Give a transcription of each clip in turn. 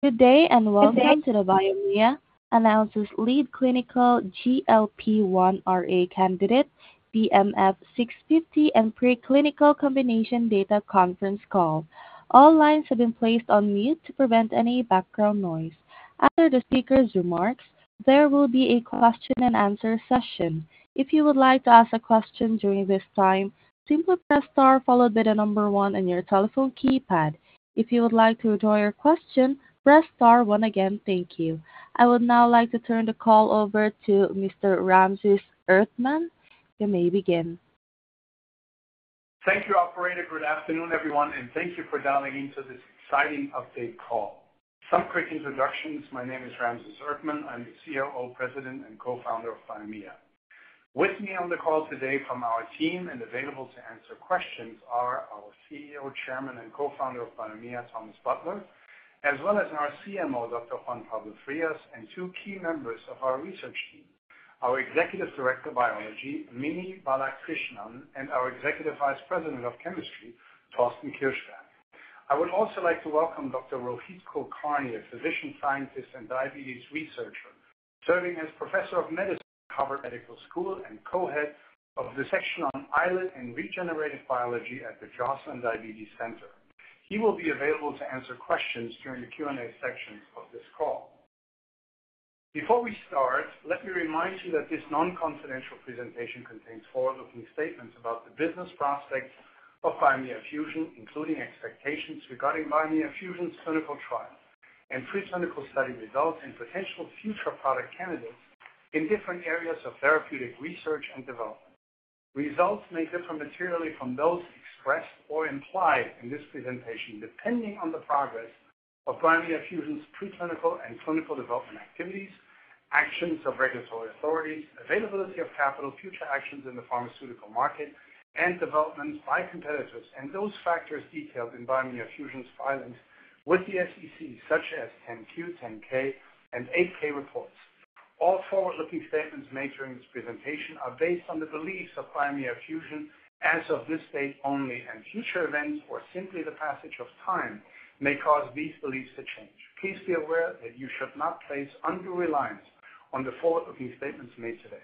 Good day and welcome to the Biomea Fusion Announces Lead Clinical GLP-1 RA Candidate BMF-650 and Preclinical Combination Data Conference Call. All lines have been placed on mute to prevent any background noise. After the speaker's remarks, there will be a question and answer session. If you would like to ask a question during this time, simply press star followed by the number one on your telephone keypad. If you would like to withdraw your question, press star one again. Thank you. I would now like to turn the call over to Mr. Ramses Erdtmann. You may begin. Thank you, operator. Good afternoon, everyone, and thank you for dialing into this exciting update call. Some quick introductions. My name is Ramses Erdtmann. I'm the COO, president, and co-founder of Biomea. With me on the call today from our team and available to answer questions are our CEO, chairman, and co-founder of Biomea, Thomas Butler, as well as our CMO, Dr. Juan Pablo Frias, and two key members of our research team, our executive director, Biology Mini Balakrishnan, and our executive vice president of chemistry, Thorsten Kirschberg. I would also like to welcome Dr. Rohit Kulkarni, a physician scientist and diabetes researcher serving as professor of medicine at Harvard Medical School and co-head of the section on islet and regenerative biology at the Joslin Diabetes Center. He will be available to answer questions during the Q&A sections of this call. Before we start, let me remind you that this non-confidential presentation contains forward-looking statements about the business prospects of Biomea Fusion, including expectations regarding Biomea Fusion's clinical trial and preclinical study results and potential future product candidates in different areas of therapeutic research and development. Results may differ materially from those expressed or implied in this presentation, depending on the progress of Biomea Fusion's preclinical and clinical development activities, actions of regulatory authorities, availability of capital, future actions in the pharmaceutical market, and developments by competitors, and those factors detailed in Biomea Fusion's filings with the SEC, such as 10-Q, 10-K, and 8-K reports. All forward-looking statements made during this presentation are based on the beliefs of Biomea Fusion as of this date only, and future events or simply the passage of time may cause these beliefs to change. Please be aware that you should not place under reliance on the forward-looking statements made today.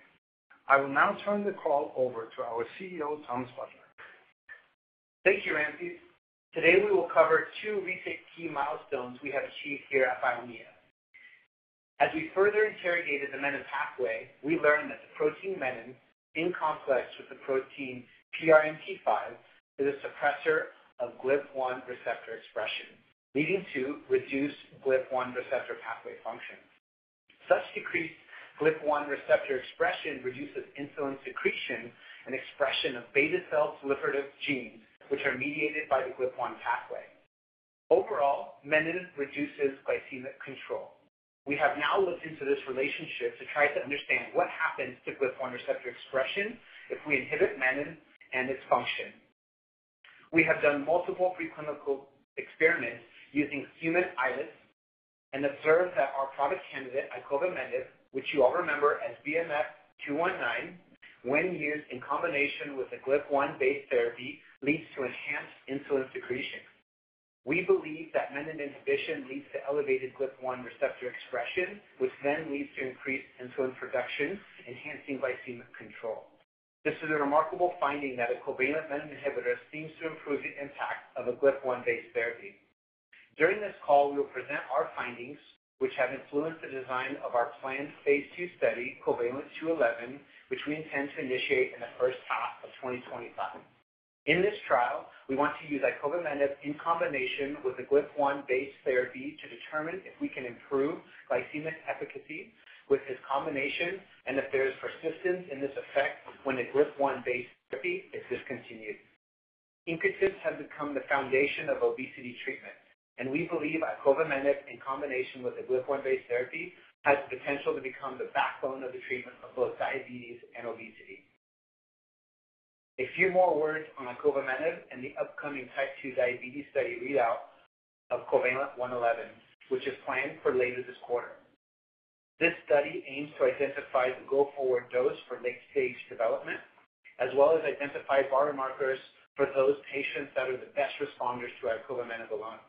I will now turn the call over to our CEO, Thomas Butler. Thank you, Ramses. Today, we will cover two recent key milestones we have achieved here at Biomea. As we further interrogated the menin pathway, we learned that the protein menin in conflict with the protein PRMT5 is a suppressor of GLP-1 receptor expression, leading to reduced GLP-1 receptor pathway function. Such decreased GLP-1 receptor expression reduces insulin secretion and expression of beta cell proliferative genes, which are mediated by the GLP-1 pathway. Overall, menin reduces glycemic control. We have now looked into this relationship to try to understand what happens to GLP-1 receptor expression if we inhibit menin and its function. We have done multiple preclinical experiments using human islets and observed that our product candidate, icovamenib, which you all remember as BMF-219, when used in combination with a GLP-1-based therapy, leads to enhanced insulin secretion. We believe that menin inhibition leads to elevated GLP-1 receptor expression, which then leads to increased insulin production, enhancing glycemic control. This is a remarkable finding that a covalent menin inhibitor seems to improve the impact of a GLP-1-based therapy. During this call, we will present our findings, which have influenced the design of our planned Phase II study, COVALENT-211, which we intend to initiate in the first half of 2025. In this trial, we want to use icovamenib in combination with a GLP-1-based therapy to determine if we can improve glycemic efficacy with this combination and if there is persistence in this effect when a GLP-1-based therapy is discontinued. GLP-1s have become the foundation of obesity treatment, and we believe icovamenib in combination with a GLP-1-based therapy has the potential to become the backbone of the treatment of both diabetes and obesity. A few more words on icovamenib and the upcoming type 2 diabetes study readout of COVALENT-111, which is planned for later this quarter. This study aims to identify the go-forward dose for late-stage development, as well as identify biomarkers for those patients that are the best responders to icovamenib alone.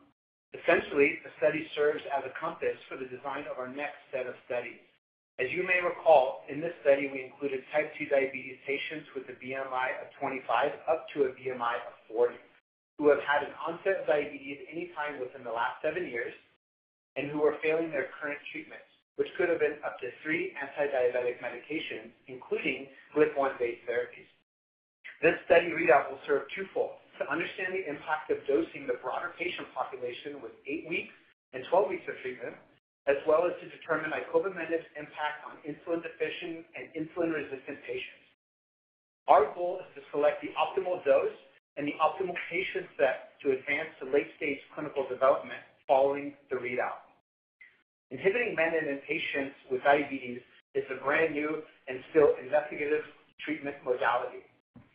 Essentially, the study serves as a compass for the design of our next set of studies. As you may recall, in this study, we included type 2 diabetes patients with a BMI of 25-40 who have had an onset of diabetes any time within the last seven years and who are failing their current treatments, which could have been up to three anti-diabetic medications, including GLP-1-based therapies. This study readout will serve twofold: to understand the impact of dosing the broader patient population with eight weeks and 12 weeks of treatment, as well as to determine icovamenib's impact on insulin-deficient and insulin-resistant patients. Our goal is to select the optimal dose and the optimal patient set to advance the late-stage clinical development following the readout. Inhibiting menin in patients with diabetes is a brand new and still investigative treatment modality,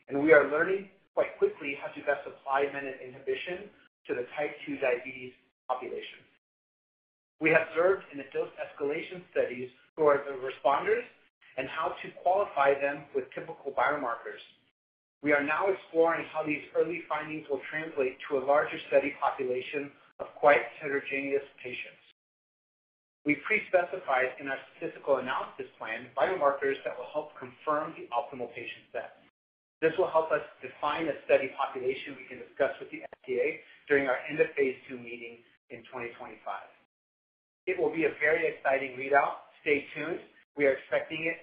and we are learning quite quickly how to best apply menin inhibition to the type 2 diabetes population. We have observed in the dose escalation studies who are the responders and how to qualify them with typical biomarkers. We are now exploring how these early findings will translate to a larger study population of quite heterogeneous patients. We've pre-specified in our statistical analysis plan biomarkers that will help confirm the optimal patient set. This will help us define a study population we can discuss with the FDA during our end of Phase II meeting in 2025. It will be a very exciting readout. Stay tuned. We are expecting it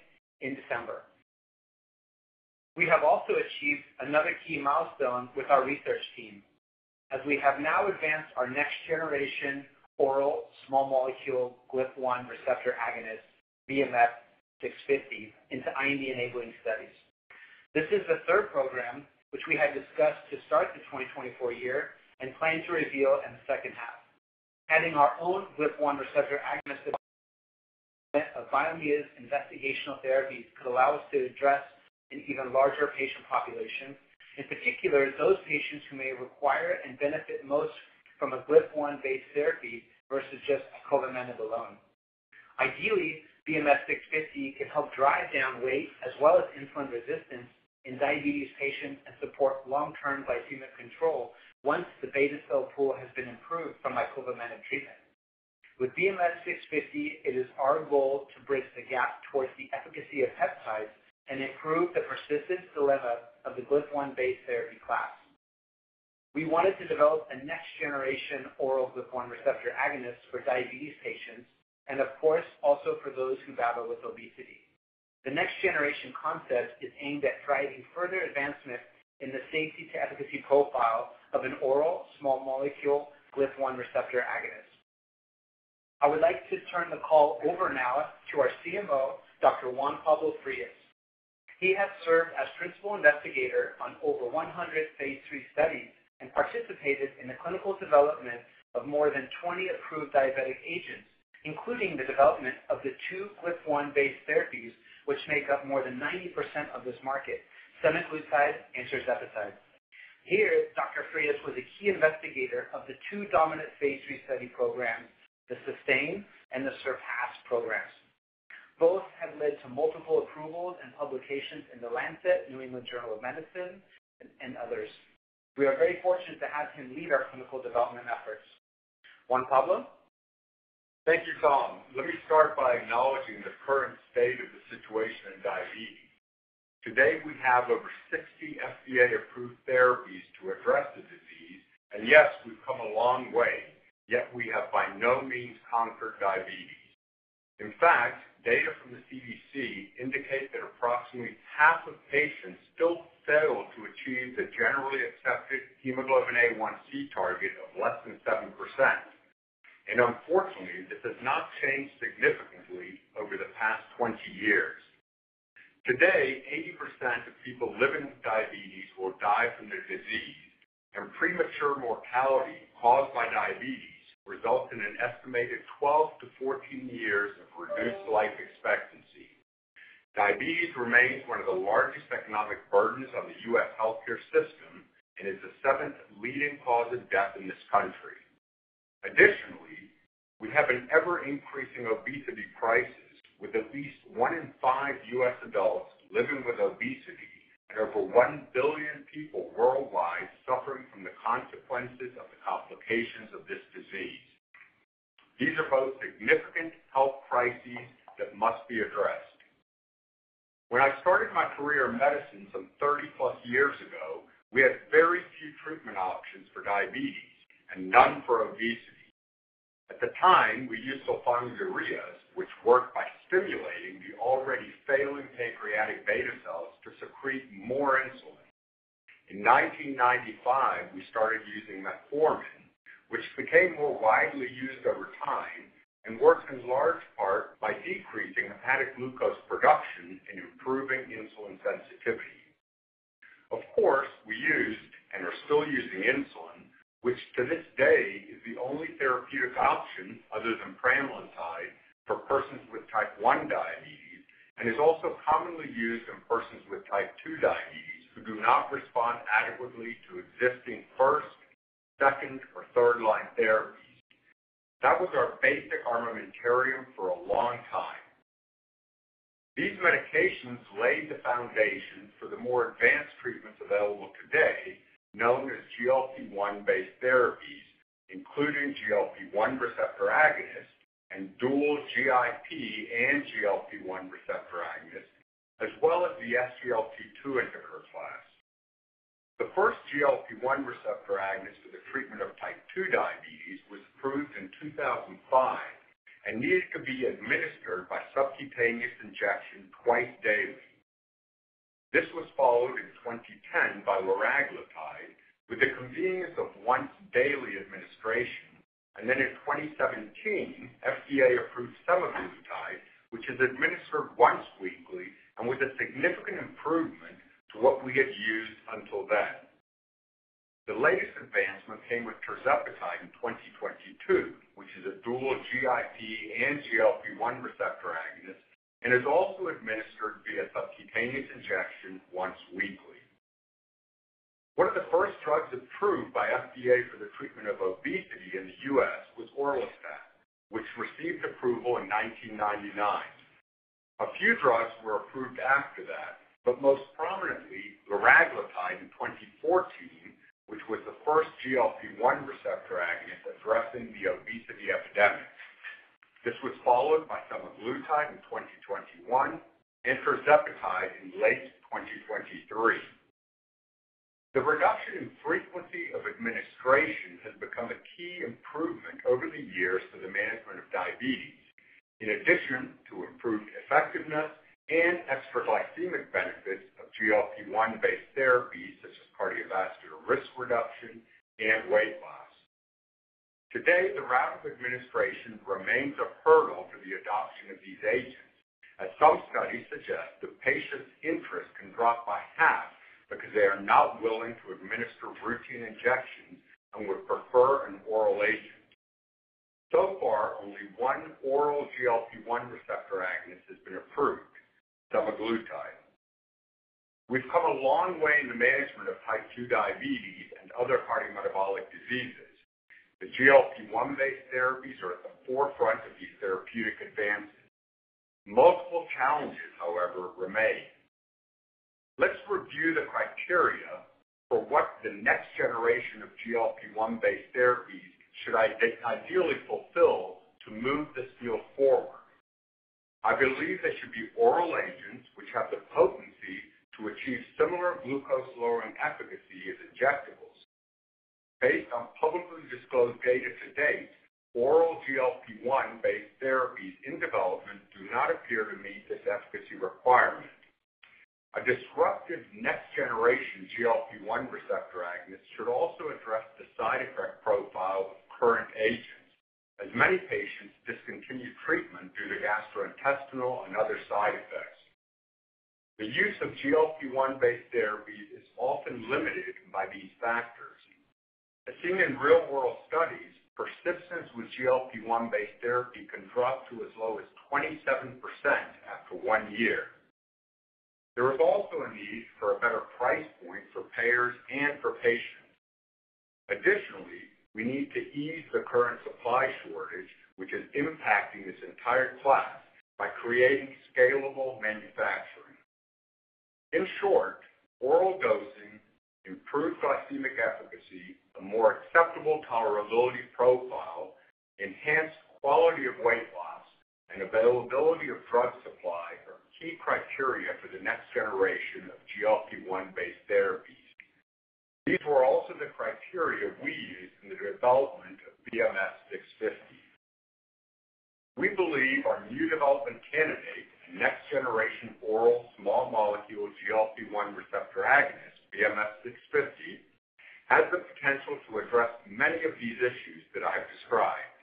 in December. We have also achieved another key milestone with our research team, as we have now advanced our next generation oral small molecule GLP-1 receptor agonist BMF-650 into IND enabling studies. This is the third program which we had discussed to start the 2024 year and plan to reveal in the second half. Adding our own GLP-1 receptor agonist development of Biomea's investigational therapies could allow us to address an even larger patient population, in particular those patients who may require and benefit most from a GLP-1-based therapy versus just icovamenib alone. Ideally, BMF-650 could help drive down weight as well as insulin resistance in diabetes patients and support long-term glycemic control once the beta cell pool has been improved from icovamenib treatment. With BMF-650, it is our goal to bridge the gap towards the efficacy of peptides and improve the persistence dilemma of the GLP-1-based therapy class. We wanted to develop a next generation oral GLP-1 receptor agonist for diabetes patients and, of course, also for those who battle with obesity. The next generation concept is aimed at driving further advancement in the safety to efficacy profile of an oral small molecule GLP-1 receptor agonist. I would like to turn the call over now to our CMO, Dr. Juan Pablo Frias. He has served as principal investigator on over 100 Phase III studies and participated in the clinical development of more than 20 approved diabetic agents, including the development of the two GLP-1-based therapies which make up more than 90% of this market, semaglutide and tirzepatide. Here, Dr. Frias was a key investigator of the two dominant Phase III study programs, the SUSTAIN and the SURPASS programs. Both have led to multiple approvals and publications in The Lancet, New England Journal of Medicine, and others. We are very fortunate to have him lead our clinical development efforts. Juan Pablo. Thank you, Tom. Let me start by acknowledging the current state of the situation in diabetes. Today, we have over 60 FDA-approved therapies to address the disease, and yes, we've come a long way, yet we have by no means conquered diabetes. In fact, data from the CDC indicate that approximately half of patients still fail to achieve the generally accepted hemoglobin A1C target of less than 7%. And unfortunately, this has not changed significantly over the past 20 years. Today, 80% of people living with diabetes will die from their disease, and premature mortality caused by diabetes results in an estimated 12-14 years of reduced life expectancy. Diabetes remains one of the largest economic burdens on the U.S. healthcare system and is the seventh leading cause of death in this country. Additionally, we have an ever-increasing obesity crisis, with at least one in five U.S. Adults living with obesity and over 1 billion people worldwide suffering from the consequences of the complications of this disease. These are both significant health crises that must be addressed. When I started my career in medicine some 30-plus years ago, we had very few treatment options for diabetes and none for obesity. At the time, we used sulfonylureas, which worked by stimulating the already failing pancreatic beta cells to secrete more insulin. In 1995, we started using metformin, which became more widely used over time and worked in large part by decreasing hepatic glucose production and improving insulin sensitivity. Of course, we used and are still using insulin, which to this day is the only therapeutic option other than pramlintide for persons with type 1 diabetes and is also commonly used in persons with type 2 diabetes who do not respond adequately to existing first, second, or third-line therapies. That was our basic armamentarium for a long time. These medications laid the foundation for the more advanced treatments available today, known as GLP-1-based therapies, including GLP-1 receptor agonist and dual GIP and GLP-1 receptor agonist, as well as the SGLT2 inhibitor class. The first GLP-1 receptor agonist for the treatment of type 2 diabetes was approved in 2005 and needed to be administered by subcutaneous injection twice daily. This was followed in 2010 by liraglutide with the convenience of once-daily administration, and then in 2017, FDA approved semaglutide, which is administered once weekly and with a significant improvement to what we had used until then. The latest advancement came with tirzepatide in 2022, which is a dual GIP and GLP-1 receptor agonist and is also administered via subcutaneous injection once weekly. One of the first drugs approved by FDA for the treatment of obesity in the U.S. was orlistat, which received approval in 1999. A few drugs were approved after that, but most prominently, liraglutide in 2014, which was the first GLP-1 receptor agonist addressing the obesity epidemic. This was followed by semaglutide in 2021 and tirzepatide in late 2023. The reduction in frequency of administration has become a key improvement over the years for the management of diabetes, in addition to improved effectiveness and extraglycemic benefits of GLP-1-based therapies such as cardiovascular risk reduction and weight loss. Today, the route of administration remains a hurdle for the adoption of these agents, as some studies suggest the patient's interest can drop by half because they are not willing to administer routine injections and would prefer an oral agent. So far, only one oral GLP-1 receptor agonist has been approved: semaglutide. We've come a long way in the management of type 2 diabetes and other cardiometabolic diseases. The GLP-1-based therapies are at the forefront of these therapeutic advances. Multiple challenges, however, remain. Let's review the criteria for what the next generation of GLP-1-based therapies should ideally fulfill to move this field forward. I believe they should be oral agents which have the potency to achieve similar glucose-lowering efficacy as injectables. Based on publicly disclosed data to date, oral GLP-1-based therapies in development do not appear to meet this efficacy requirement. A disruptive next generation GLP-1 receptor agonist should also address the side effect profile of current agents, as many patients discontinue treatment due to gastrointestinal and other side effects. The use of GLP-1-based therapies is often limited by these factors. As seen in real-world studies, persistence with GLP-1-based therapy can drop to as low as 27% after one year. There is also a need for a better price point for payers and for patients. Additionally, we need to ease the current supply shortage, which is impacting this entire class, by creating scalable manufacturing. In short, oral dosing, improved glycemic efficacy, a more acceptable tolerability profile, enhanced quality of weight loss, and availability of drug supply are key criteria for the next generation of GLP-1-based therapies. These were also the criteria we used in the development of BMF-650. We believe our new development candidate, a next generation oral small molecule GLP-1 receptor agonist, BMF-650, has the potential to address many of these issues that I have described.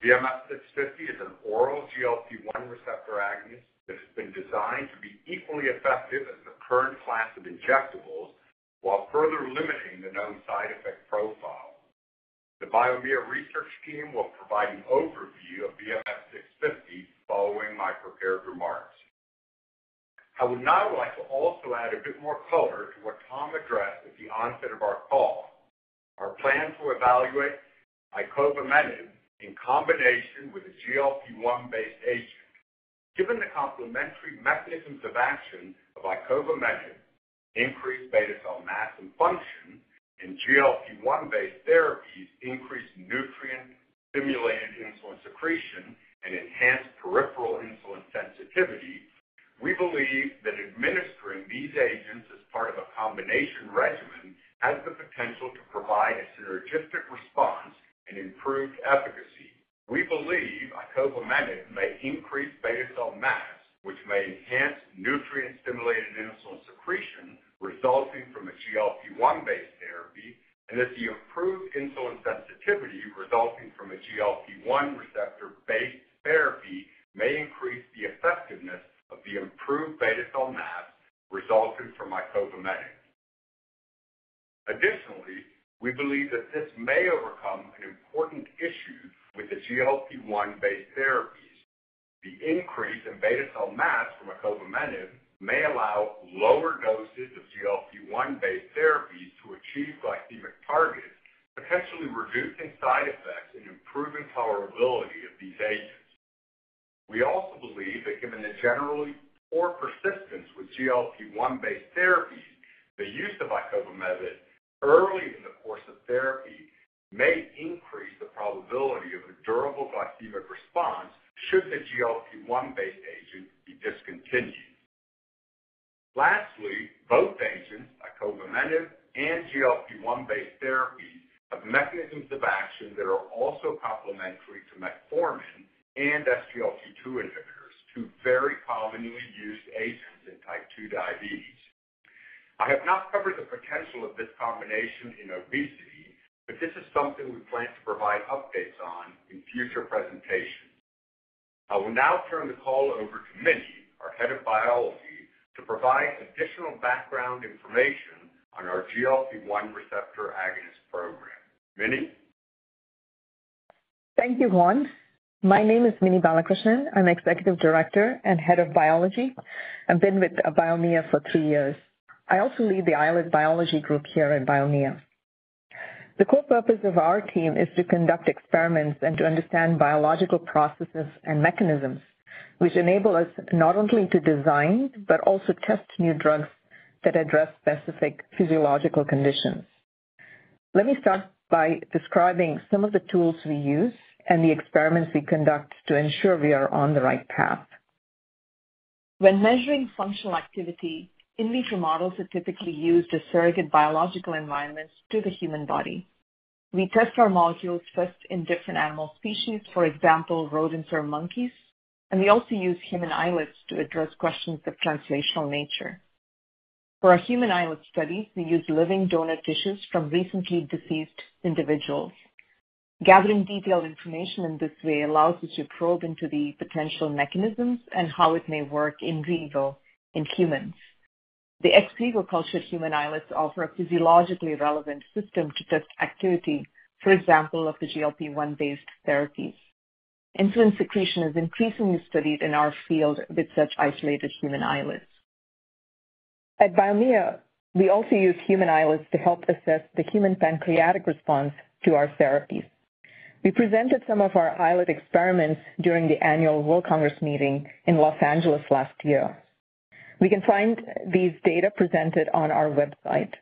BMF-650 is an oral GLP-1 receptor agonist that has been designed to be equally effective as the current class of injectables while further limiting the known side effect profile. The Biomea research team will provide an overview of BMF-650 following my prepared remarks. I would now like to also add a bit more color to what Tom addressed at the onset of our call: our plan to evaluate icovamenib in combination with a GLP-1-based agent. Given the complementary mechanisms of action of icovamenib: increased beta cell mass and function, and GLP-1-based therapies increase nutrient-stimulated insulin secretion and enhance peripheral insulin sensitivity, we believe that administering these agents as part of a combination regimen has the potential to provide a synergistic response and improved efficacy. We believe icovamenib may increase beta cell mass, which may enhance nutrient-stimulated insulin secretion resulting from a GLP-1-based therapy, and that the improved insulin sensitivity resulting from a GLP-1 receptor-based therapy may increase the effectiveness of the improved beta cell mass resulting from icovamenib. Additionally, we believe that this may overcome an important issue with the GLP-1-based therapies: the increase in beta cell mass from icovamenib may allow lower doses of GLP-1-based therapies to achieve glycemic targets, potentially reducing side effects and improving tolerability of these agents. We also believe that given the generally poor persistence with GLP-1-based therapies, the use of icovamenib early in the course of therapy may increase the probability of a durable glycemic response should the GLP-1-based agent be discontinued. Lastly, both agents, icovamenib and GLP-1-based therapies, have mechanisms of action that are also complementary to metformin and SGLT2 inhibitors, two very commonly used agents in type 2 diabetes. I have not covered the potential of this combination in obesity, but this is something we plan to provide updates on in future presentations. I will now turn the call over to Mini, our Head of Biology, to provide additional background information on our GLP-1 receptor agonist program. Mini? Thank you, Juan. My name is Mini Balakrishnan. I'm executive director and head of biology. I've been with Biomea for three years. I also lead the Islet biology group here at Biomea. The core purpose of our team is to conduct experiments and to understand biological processes and mechanisms which enable us not only to design but also test new drugs that address specific physiological conditions. Let me start by describing some of the tools we use and the experiments we conduct to ensure we are on the right path. When measuring functional activity, in vitro models are typically used to surrogate biological environments to the human body. We test our molecules first in different animal species, for example, rodents or monkeys, and we also use human islets to address questions of translational nature. For our human islet studies, we use living donor tissues from recently deceased individuals. Gathering detailed information in this way allows us to probe into the potential mechanisms and how it may work in vivo in humans. The ex-vivo cultured human islets offer a physiologically relevant system to test activity, for example, of the GLP-1-based therapies. Insulin secretion is increasingly studied in our field with such isolated human islets. At Biomea, we also use human islets to help assess the human pancreatic response to our therapies. We presented some of our islet experiments during the annual World Congress meeting in Los Angeles last year. We can find these data presented on our website.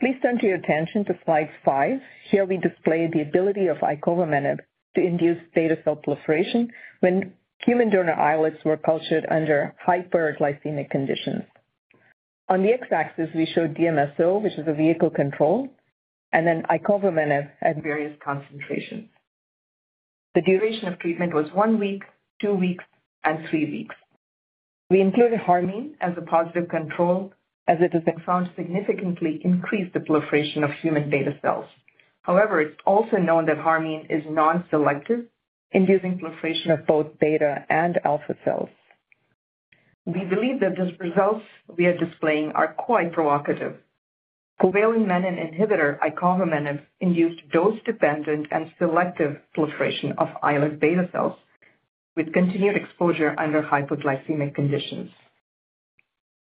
Please turn to your attention to Slide five. Here, we display the ability of icovamenib to induce beta cell proliferation when human donor islets were cultured under hyperglycemic conditions. On the x-axis, we show DMSO, which is a vehicle control, and then icovamenib at various concentrations. The duration of treatment was one week, two weeks, and three weeks. We included harmine as a positive control, as it has been found to significantly increase the proliferation of human beta cells. However, it's also known that harmine is non-selective, inducing proliferation of both beta and alpha cells. We believe that the results we are displaying are quite provocative. Covalent menin inhibitor icovamenib induced dose-dependent and selective proliferation of islet beta cells with continued exposure under hypoglycemic conditions.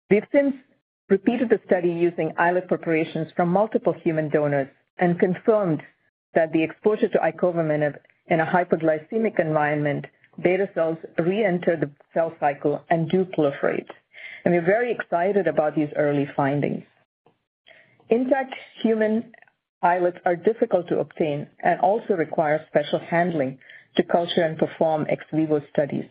We've since repeated the study using islet preparations from multiple human donors and confirmed that the exposure to icovamenib in a hypoglycemic environment, beta cells re-enter the cell cycle and do proliferate. And we're very excited about these early findings. In fact, human islets are difficult to obtain and also require special handling to culture and perform ex-vivo studies.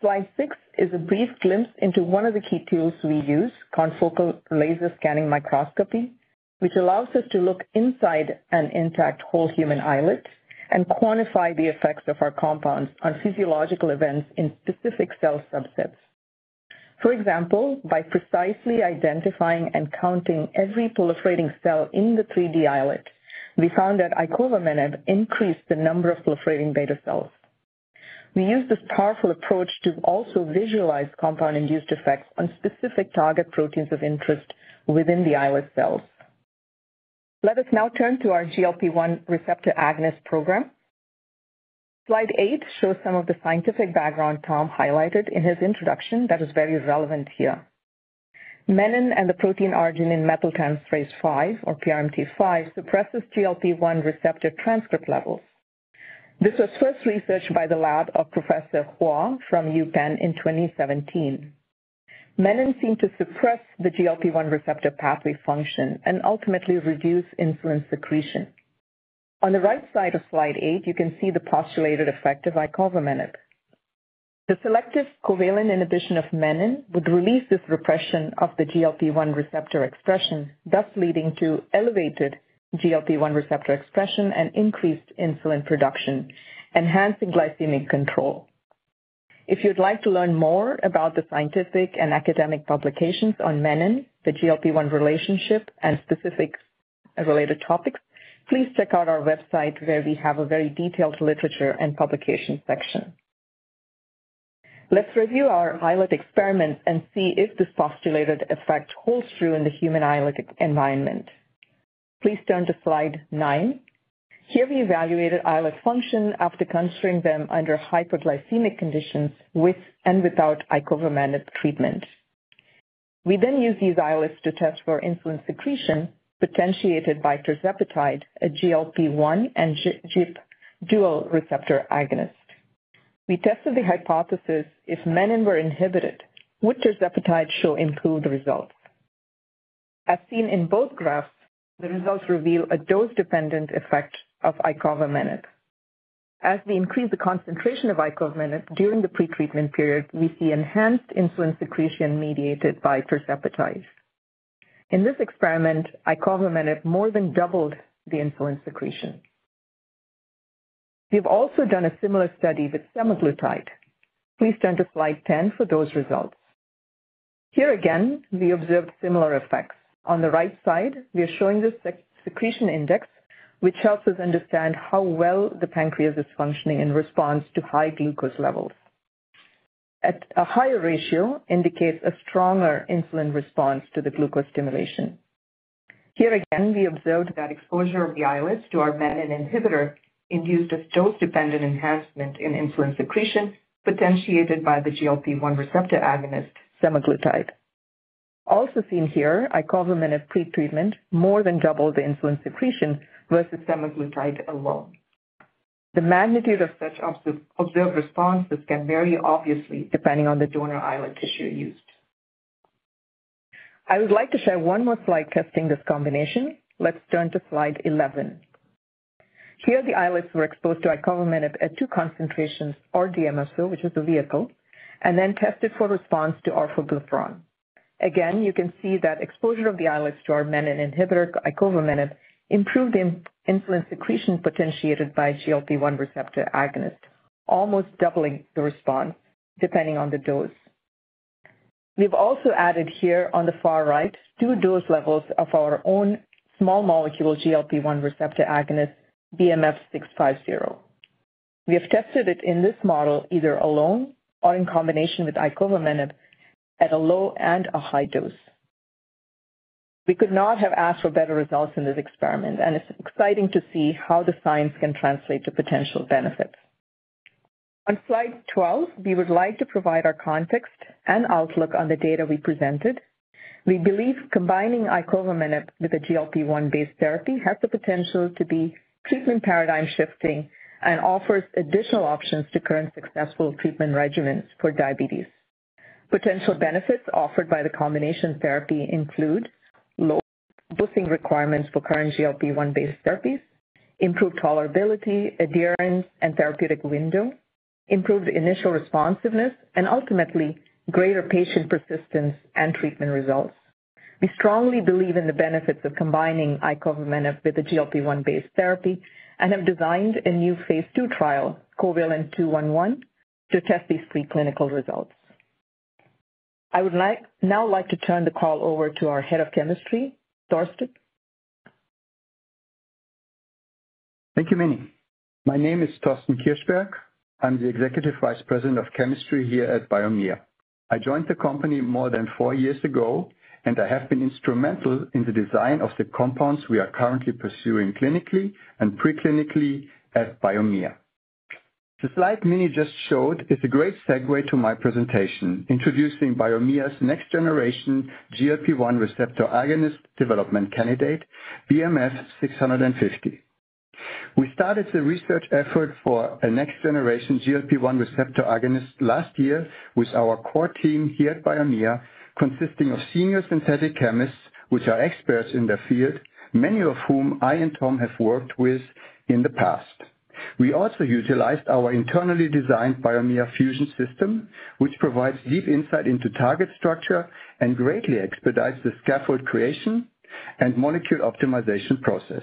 Slide six is a brief glimpse into one of the key tools we use, confocal laser scanning microscopy, which allows us to look inside an intact whole human islet and quantify the effects of our compounds on physiological events in specific cell subsets. For example, by precisely identifying and counting every proliferating cell in the 3D islet, we found that icovamenib increased the number of proliferating beta cells. We use this powerful approach to also visualize compound-induced effects on specific target proteins of interest within the islet cells. Let us now turn to our GLP-1 receptor agonist program. Slide eight shows some of the scientific background Tom highlighted in his introduction that is very relevant here. Menin and the protein arginine methyltransferase 5, or PRMT5, suppresses GLP-1 receptor transcript levels. This was first researched by the lab of Professor Hua from UPenn in 2017. Menin seemed to suppress the GLP-1 receptor pathway function and ultimately reduce insulin secretion. On the right side of slide eight, you can see the postulated effect of icovamenib. The selective covalent inhibition of menin would release this repression of the GLP-1 receptor expression, thus leading to elevated GLP-1 receptor expression and increased insulin production, enhancing glycemic control. If you'd like to learn more about the scientific and academic publications on menin, the GLP-1 relationship, and specific related topics, please check out our website, where we have a very detailed literature and publication section. Let's review our islet experiment and see if this postulated effect holds true in the human islet environment. Please turn to Slide nine. Here, we evaluated islet function after considering them under hypoglycemic conditions with and without icovamenib treatment. We then used these islets to test for insulin secretion potentiated by tirzepatide, a GLP-1 and GIP dual receptor agonist. We tested the hypothesis: if menin were inhibited, would tirzepatide show improved results? As seen in both graphs, the results reveal a dose-dependent effect of icovamenib. As we increase the concentration of icovamenib during the pretreatment period, we see enhanced insulin secretion mediated by tirzepatide. In this experiment, icovamenib more than doubled the insulin secretion. We have also done a similar study with semaglutide. Please turn to Slide 10 for those results. Here again, we observed similar effects. On the right side, we are showing the secretion index, which helps us understand how well the pancreas is functioning in response to high glucose levels. At a higher ratio indicates a stronger insulin response to the glucose stimulation. Here again, we observed that exposure of the islets to our menin inhibitor induced a dose-dependent enhancement in insulin secretion potentiated by the GLP-1 receptor agonist semaglutide. Also seen here, icovamenib of pretreatment more than doubled the insulin secretion versus semaglutide alone. The magnitude of such observed responses can vary obviously depending on the donor islet tissue used. I would like to share one more slide testing this combination. Let's turn to Slide 11. Here, the islets were exposed to icovamenib at two concentrations, or DMSO, which is a vehicle, and then tested for response to orforglipron. Again, you can see that exposure of the islets to our menin inhibitor icovamenib improved the insulin secretion potentiated by GLP-1 receptor agonist, almost doubling the response depending on the dose. We've also added here, on the far right, two dose levels of our own small molecule GLP-1 receptor agonist BMF-650. We have tested it in this model either alone or in combination with icovamenib at a low and a high dose. We could not have asked for better results in this experiment, and it's exciting to see how the science can translate to potential benefits. On Slide 12, we would like to provide our context and outlook on the data we presented. We believe combining icovamenib with a GLP-1-based therapy has the potential to be treatment paradigm-shifting and offers additional options to current successful treatment regimens for diabetes. Potential benefits offered by the combination therapy include low dosing requirements for current GLP-1-based therapies, improved tolerability, adherence, and therapeutic window, improved initial responsiveness, and ultimately, greater patient persistence and treatment results. We strongly believe in the benefits of combining icovamenib with a GLP-1-based therapy and have designed a new Phase II trial, COVALENT-211, to test these three clinical results. I would now like to turn the call over to our head of chemistry, Thorsten. Thank you, Mini. My name is Thorsten Kirschberg. I'm the Executive Vice President of Chemistry here at Biomea. I joined the company more than four years ago, and I have been instrumental in the design of the compounds we are currently pursuing clinically and preclinically at Biomea. The slide Minnie just showed is a great segue to my presentation introducing Biomea's next-generation GLP-1 receptor agonist development candidate, BMF-650. We started the research effort for a next-generation GLP-1 receptor agonist last year with our core team here at Biomea, consisting of senior synthetic chemists who are experts in their field, many of whom I and Tom have worked with in the past. We also utilized our internally designed Biomea Fusion system, which provides deep insight into target structure and greatly expedites the scaffold creation and molecule optimization process.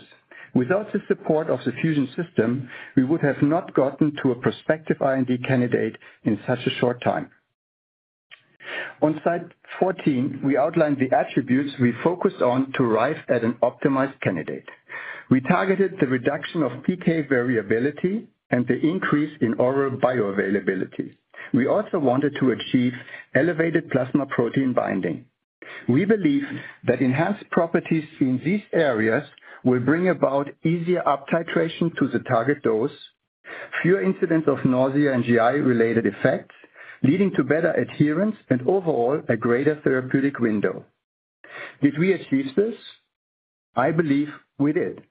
Without the support of the fusion system, we would have not gotten to a prospective R&D candidate in such a short time. On Slide 14, we outlined the attributes we focused on to arrive at an optimized candidate. We targeted the reduction of PK variability and the increase in oral bioavailability. We also wanted to achieve elevated plasma protein binding. We believe that enhanced properties in these areas will bring about easier up-titration to the target dose, fewer incidents of nausea and GI-related effects, leading to better adherence, and overall, a greater therapeutic window. Did we achieve this? I believe we did.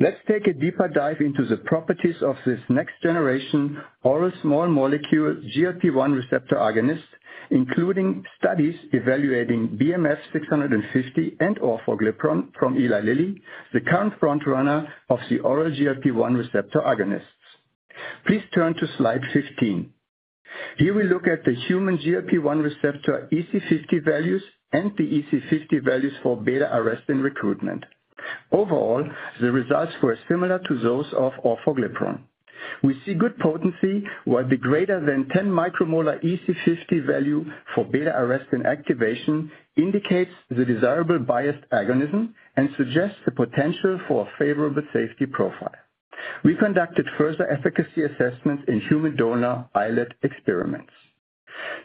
Let's take a deeper dive into the properties of this next-generation oral small molecule GLP-1 receptor agonist, including studies evaluating BMF-650 and orforglipron from Eli Lilly, the current frontrunner of the oral GLP-1 receptor agonists. Please turn to Slide 15. Here we look at the human GLP-1 receptor EC50 values and the EC50 values for beta-arrestin recruitment. Overall, the results were similar to those of orforglipron. We see good potency, while the greater than 10 micromolar EC50 value for beta-arrestin activation indicates the desirable biased agonism and suggests the potential for a favorable safety profile. We conducted further efficacy assessments in human donor islet experiments.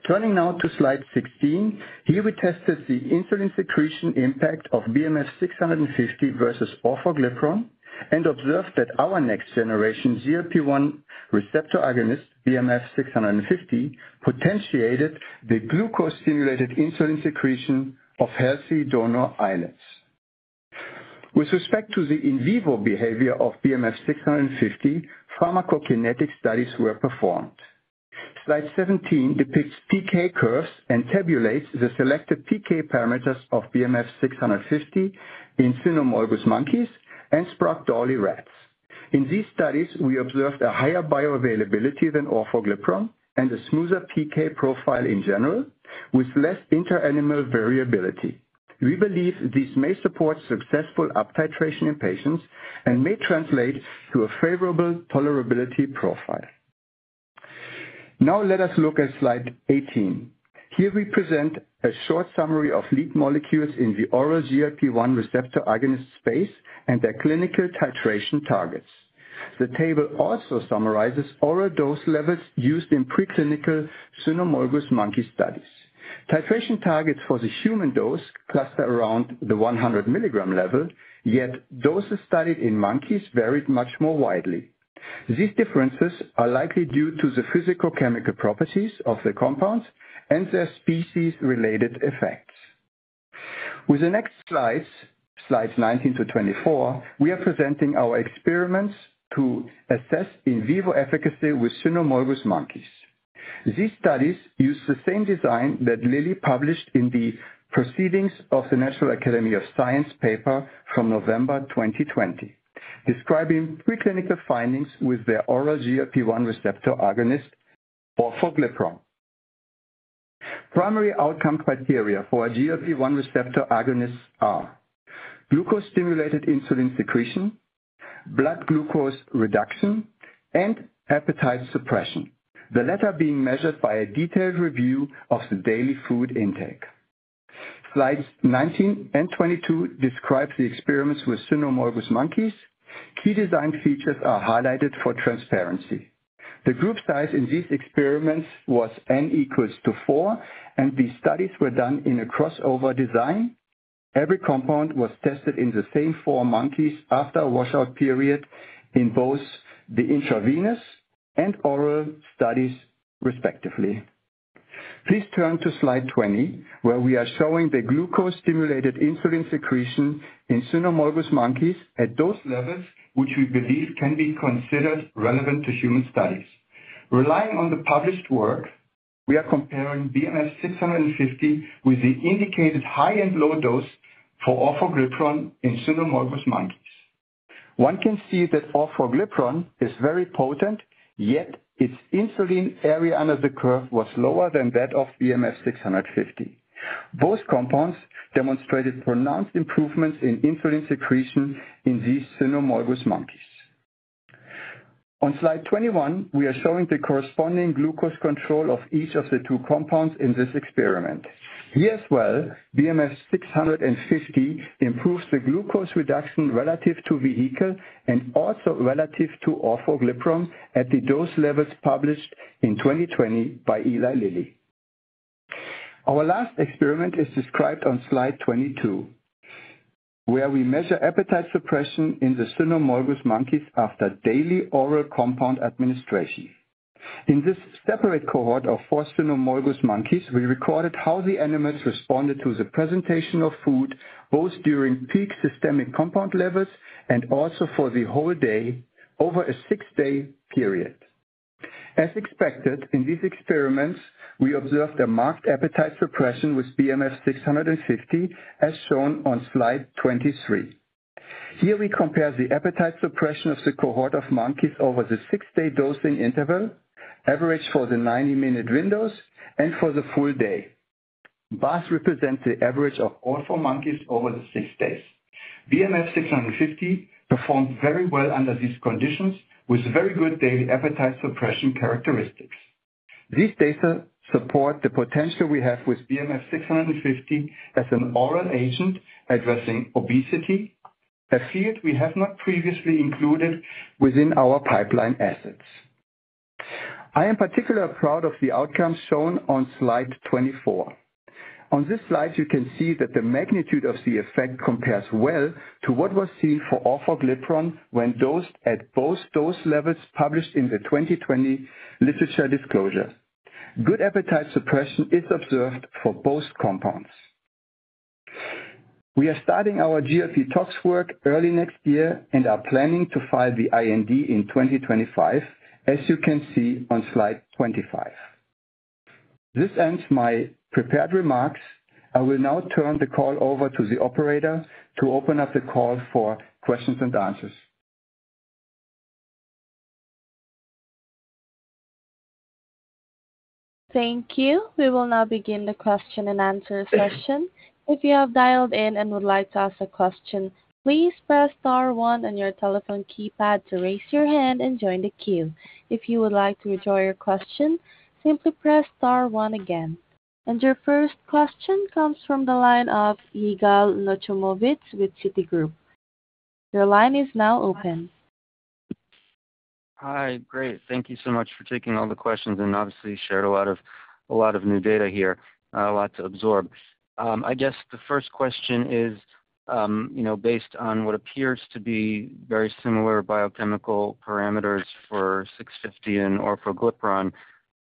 Turning now to slide 16, here we tested the insulin secretion impact of BMF-650 versus orforglipron and observed that our next-generation GLP-1 receptor agonist, BMF-650, potentiated the glucose-stimulated insulin secretion of healthy donor islets. With respect to the in-vivo behavior of BMF-650, pharmacokinetic studies were performed. Slide 17 depicts PK curves and tabulates the selected PK parameters of BMF-650 in cynomolgus monkeys and Sprague-Dawley rats. In these studies, we observed a higher bioavailability than orforglipron and a smoother PK profile in general, with less inter-animal variability. We believe this may support successful up-titration in patients and may translate to a favorable tolerability profile. Now, let us look at Slide 18. Here we present a short summary of lead molecules in the oral GLP-1 receptor agonist space and their clinical titration targets. The table also summarizes oral dose levels used in preclinical cynomolgus monkey studies. Titration targets for the human dose cluster around the 100 milligram level, yet doses studied in monkeys varied much more widely. These differences are likely due to the physicochemical properties of the compounds and their species-related effects. With the next slides, Slides 19 to 24, we are presenting our experiments to assess in-vivo efficacy with cynomolgus monkeys. These studies use the same design that Lilly published in the Proceedings of the National Academy of Sciences paper from November 2020, describing preclinical findings with their oral GLP-1 receptor agonist, orforglipron. Primary outcome criteria for GLP-1 receptor agonists are glucose-stimulated insulin secretion, blood glucose reduction, and appetite suppression, the latter being measured by a detailed review of the daily food intake. Slides 19 and 22 describe the experiments with cynomolgus monkeys. Key design features are highlighted for transparency. The group size in these experiments was n equals to 4, and the studies were done in a crossover design. Every compound was tested in the same four monkeys after a washout period in both the intravenous and oral studies, respectively. Please turn to Slide 20, where we are showing the glucose-stimulated insulin secretion in cynomolgus monkeys at dose levels which we believe can be considered relevant to human studies. Relying on the published work, we are comparing BMF-650 with the indicated high and low dose for orforglipron in cynomolgus monkeys. One can see that orforglipron is very potent, yet its insulin area under the curve was lower than that of BMF-650. Both compounds demonstrated pronounced improvements in insulin secretion in these cynomolgus monkeys. On Slide 21, we are showing the corresponding glucose control of each of the two compounds in this experiment. Here as well, BMF-650 improves the glucose reduction relative to vehicle and also relative to orforglipron at the dose levels published in 2020 by Eli Lilly. Our last experiment is described on Slide 22, where we measure appetite suppression in the cynomolgus monkeys after daily oral compound administration. In this separate cohort of four cynomolgus monkeys, we recorded how the animals responded to the presentation of food, both during peak systemic compound levels and also for the whole day over a six-day period. As expected, in these experiments, we observed a marked appetite suppression with BMF-650, as shown on Slide 23. Here we compare the appetite suppression of the cohort of monkeys over the six-day dosing interval, average for the 90-minute windows, and for the full day. Bars represents the average of all four monkeys over the six days. BMF-650 performed very well under these conditions with very good daily appetite suppression characteristics. These data support the potential we have with BMF-650 as an oral agent addressing obesity, a field we have not previously included within our pipeline assets. I am particularly proud of the outcomes shown on Slide 24. On this slide, you can see that the magnitude of the effect compares well to what was seen for orforglipron when dosed at both dose levels published in the 2020 literature disclosure. Good appetite suppression is observed for both compounds. We are starting our GLP-TOX work early next year and are planning to file the IND in 2025, as you can see on slide 25. This ends my prepared remarks. I will now turn the call over to the operator to open up the call for questions and answers. Thank you. We will now begin the question and answer session. If you have dialed in and would like to ask a question, please press star one on your telephone keypad to raise your hand and join the queue. If you would like to withdraw your question, simply press star one again. And your first question comes from the line of Yigal Nochomovitz with Citigroup. Your line is now open. Hi. Great. Thank you so much for taking all the questions and obviously shared a lot of new data here, a lot to absorb. I guess the first question is based on what appears to be very similar biochemical parameters for 650 and orforglipron.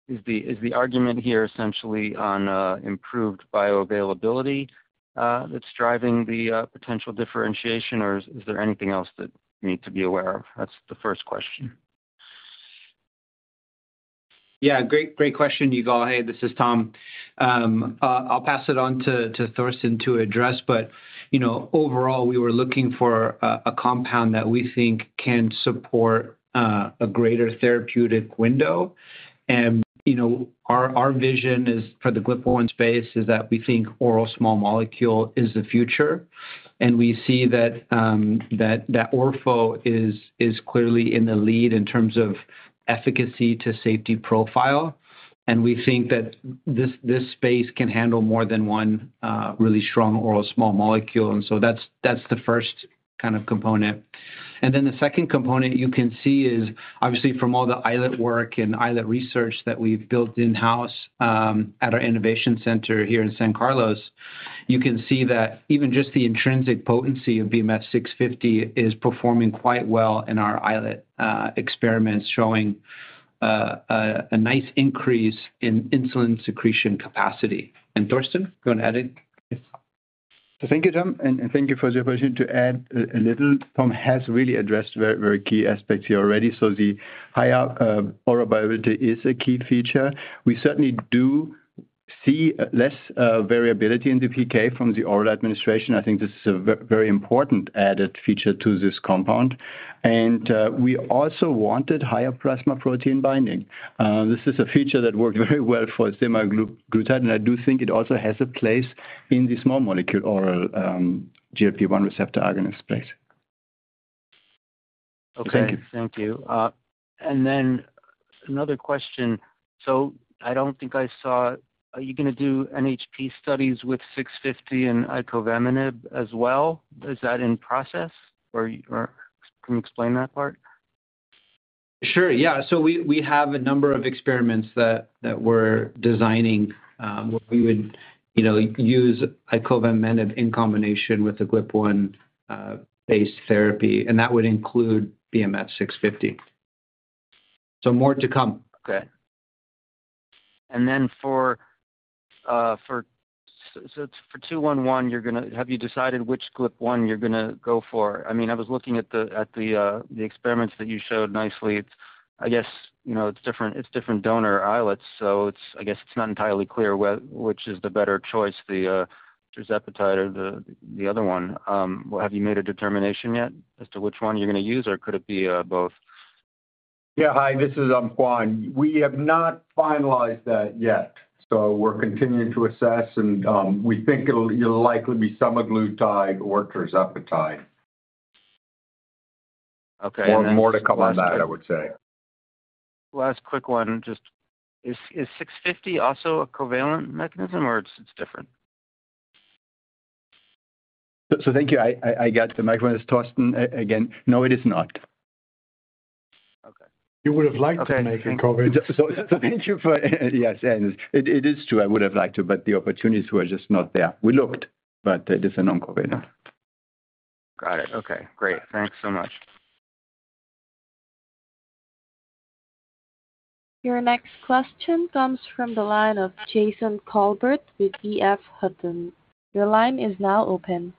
Is the argument here essentially on improved bioavailability that's driving the potential differentiation, or is there anything else that we need to be aware of? That's the first question. Yeah. Great question, Yigal. Hey, this is Tom. I'll pass it on to Thorsten to address, but overall, we were looking for a compound that we think can support a greater therapeutic window. And our vision for the GLP-1 space is that we think oral small molecule is the future. And we see that orforglipron is clearly in the lead in terms of efficacy to safety profile. And we think that this space can handle more than one really strong oral small molecule. And so that's the first kind of component. And then the second component you can see is, obviously, from all the islet work and islet research that we've built in-house at our innovation center here in San Carlos, you can see that even just the intrinsic potency of BMF-650 is performing quite well in our islet experiments, showing a nice increase in insulin secretion capacity. And Thorsten, go ahead and add in. Thank you, Tom. And thank you for the opportunity to add a little. Tom has really addressed very key aspects here already. So the higher oral bioavailability is a key feature. We certainly do see less variability in the PK from the oral administration. I think this is a very important added feature to this compound. And we also wanted higher plasma protein binding. This is a feature that worked very well for semaglutide. And I do think it also has a place in the small molecule oral GLP-1 receptor agonist space. Thank you. Thank you. And then another question. So I don't think I saw, are you going to do NHP studies with 650 and icovamenib as well? Is that in process? Can you explain that part? Sure. Yeah. So we have a number of experiments that we're designing where we would use icovamenib in combination with the GLP-1-based therapy. And that would include BMF-650. So more to come. Okay. And then for 211, have you decided which GLP-1 you're going to go for? I mean, I was looking at the experiments that you showed nicely. I guess it's different donor islets. So I guess it's not entirely clear which is the better choice, the tirzepatide or the other one. Have you made a determination yet as to which one you're going to use, or could it be both? Yeah. Hi. This is Juan. We have not finalized that yet. So we're continuing to assess, and we think it'll likely be semaglutide or tirzepatide. Okay. Or more to come on that, I would say. Last quick one. Is 650 also a covalent mechanism, or it's different? So thank you. I got the microphone. It's Thorsten again. No, it is not. Okay. You would have liked to make a covalent. Thank you for yes. It is true. I would have liked to, but the opportunities were just not there. We looked, but it is a non-covalent. Got it. Okay. Great. Thanks so much. Your next question comes from the line of Jason Kolbert with EF Hutton. Your line is now open.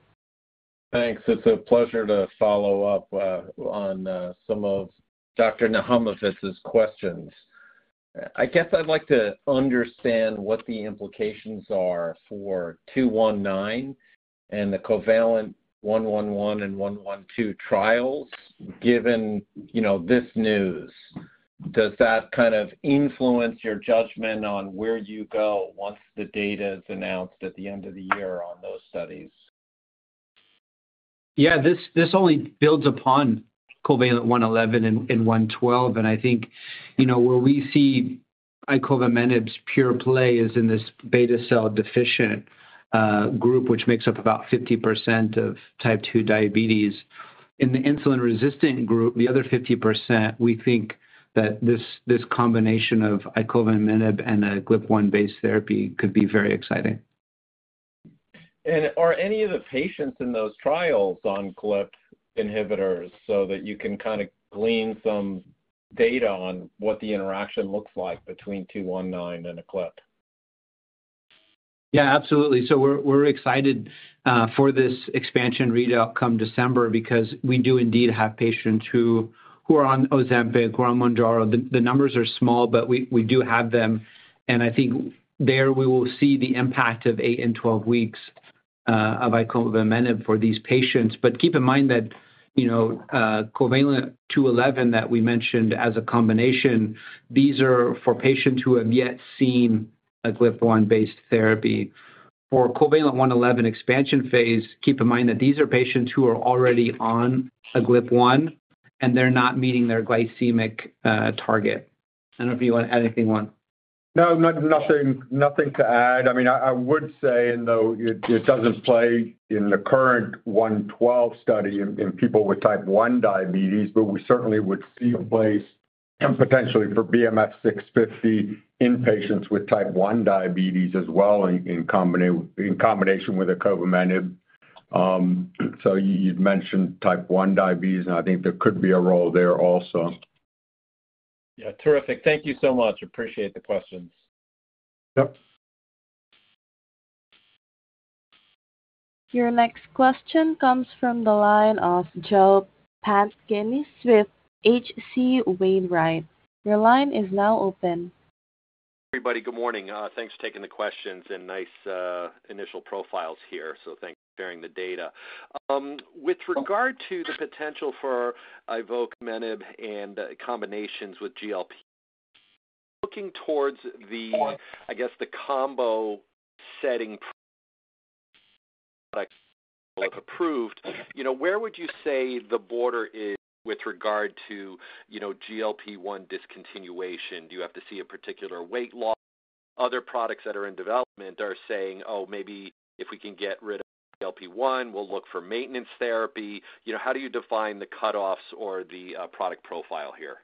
Thanks. It's a pleasure to follow up on some of Dr. Nochomovitz's questions. I guess I'd like to understand what the implications are for 219 and the COVALENT-111 and COVALENT-112 trials given this news. Does that kind of influence your judgment on where you go once the data is announced at the end of the year on those studies? Yeah. This only builds upon COVALENT-111 and COVALENT-112. And I think where we see icovamenib's pure play is in this beta-cell deficient group, which makes up about 50% of type 2 diabetes. In the insulin-resistant group, the other 50%, we think that this combination of icovamenib and a GLP-1-based therapy could be very exciting. And are any of the patients in those trials on GLP inhibitors so that you can kind of glean some data on what the interaction looks like between 219 and a GLP? Yeah. Absolutely. So we're excited for this expansion readout come December because we do indeed have patients who are on Ozempic or on Mounjaro. The numbers are small, but we do have them. And I think then we will see the impact of eight and 12 weeks of icovamenib for these patients. But keep in mind that COVALENT-211 that we mentioned as a combination, these are for patients who haven't yet seen a GLP-1-based therapy. For COVALENT-111 expansion phase, keep in mind that these are patients who are already on a GLP-1, and they're not meeting their glycemic target. I don't know if you want to add anything, Juan. No, nothing to add. I mean, I would say, though, it doesn't play in the current 112 study in people with type 1 diabetes, but we certainly would see a place potentially for BMF-650 in patients with type 1 diabetes as well in combination with icovamenib. So you'd mentioned type 1 diabetes, and I think there could be a role there also. Yeah. Terrific. Thank you so much. Appreciate the questions. Yep. Your next question comes from the line of Joseph Pantginis with H.C. Wainwright. Your line is now open. Everybody, good morning. Thanks for taking the questions and nice initial profiles here. So thanks for sharing the data. With regard to the potential for icovamenib and combinations with GLP, looking towards the, I guess, combo setting product approved, where would you say the border is with regard to GLP-1 discontinuation? Do you have to see a particular weight loss? Other products that are in development are saying, "Oh, maybe if we can get rid of GLP-1, we'll look for maintenance therapy." How do you define the cutoffs or the product profile here?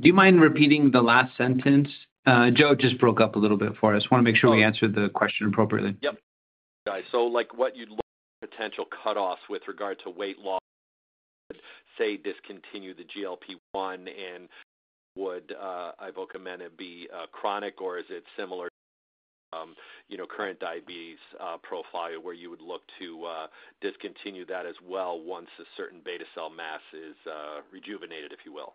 Do you mind repeating the last sentence? Joe just broke up a little bit for us. I want to make sure we answered the question appropriately. Yep. So what you'd look for potential cutoffs with regard to weight loss would say discontinue the GLP-1, and would icovamenib be chronic, or is it similar to current diabetes profile where you would look to discontinue that as well once a certain beta-cell mass is rejuvenated, if you will?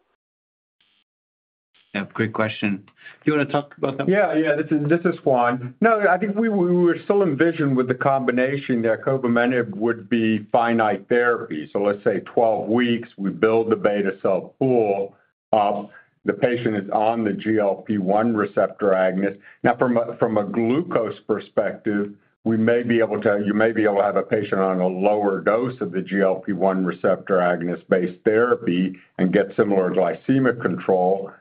Yeah. Great question. Do you want to talk about that? Yeah. Yeah. This is Juan. No, I think we were still envisioned with the combination that icovamenib would be finite therapy. So let's say 12 weeks, we build the beta cell pool up. The patient is on the GLP-1 receptor agonist. Now, from a glucose perspective, we may be able to, you may be able to have a patient on a lower dose of the GLP-1 receptor agonist-based therapy and get similar glycemic control.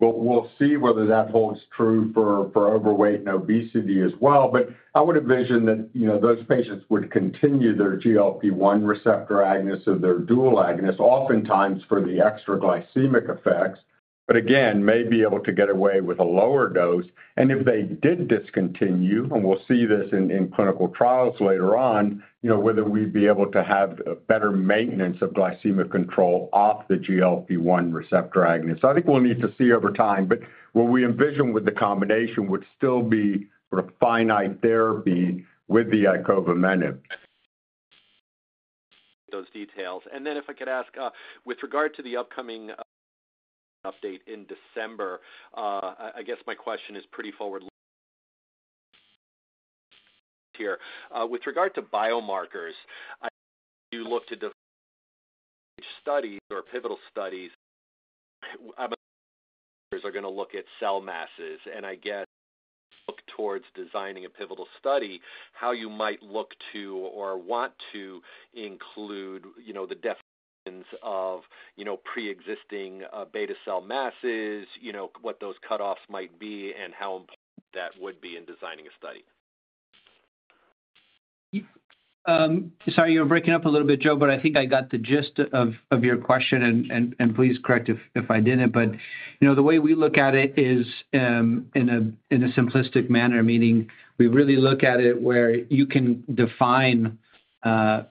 We'll see whether that holds true for overweight and obesity as well. But I would envision that those patients would continue their GLP-1 receptor agonist or their dual agonist, oftentimes for the extra glycemic effects, but again, may be able to get away with a lower dose. And if they did discontinue, and we'll see this in clinical trials later on, whether we'd be able to have better maintenance of glycemic control off the GLP-1 receptor agonist. So I think we'll need to see over time. But what we envision with the combination would still be sort of finite therapy with the icovamenib. Those details. And then if I could ask, with regard to the upcoming update in December, I guess my question is pretty forward here. With regard to biomarkers, you look to studies or pivotal studies. I'm assuming you guys are going to look at cell masses. And I guess look towards designing a pivotal study, how you might look to or want to include the definitions of pre-existing beta-cell masses, what those cutoffs might be, and how important that would be in designing a study. Sorry, you were breaking up a little bit, Joe, but I think I got the gist of your question, and please correct if I didn't, but the way we look at it is in a simplistic manner, meaning we really look at it where you can define the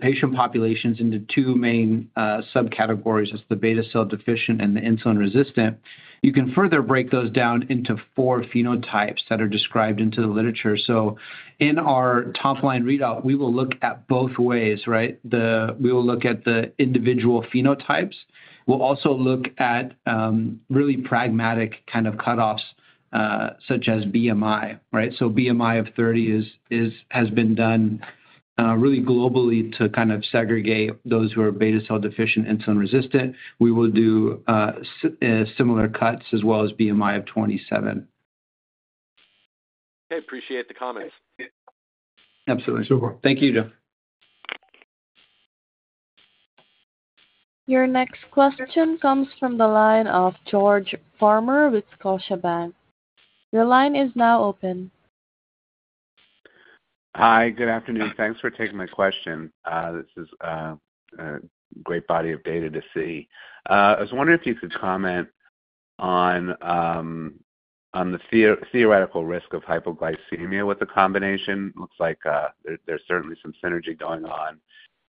patient populations into two main subcategories: it's the beta-cell deficient and the insulin-resistant. You can further break those down into four phenotypes that are described into the literature, so in our top-line readout, we will look at both ways, right? We will look at the individual phenotypes. We'll also look at really pragmatic kind of cutoffs such as BMI, right, so BMI of 30 has been done really globally to kind of segregate those who are beta-cell deficient, insulin-resistant. We will do similar cuts as well as BMI of 27. Okay. Appreciate the comments. Absolutely. Super. Thank you, Joe. Your next question comes from the line of George Farmer with Scotiabank. Your line is now open. Hi. Good afternoon. Thanks for taking my question. This is a great body of data to see. I was wondering if you could comment on the theoretical risk of hypoglycemia with the combination. Looks like there's certainly some synergy going on.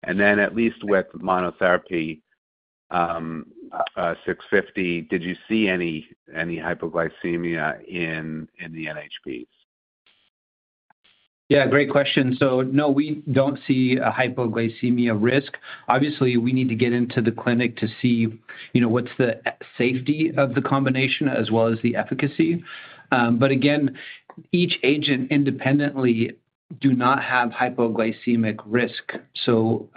And then at least with monotherapy 650, did you see any hypoglycemia in the NHPs? Yeah. Great question. No, we don't see a hypoglycemia risk. Obviously, we need to get into the clinic to see what's the safety of the combination as well as the efficacy. But again, each agent independently does not have hypoglycemic risk. So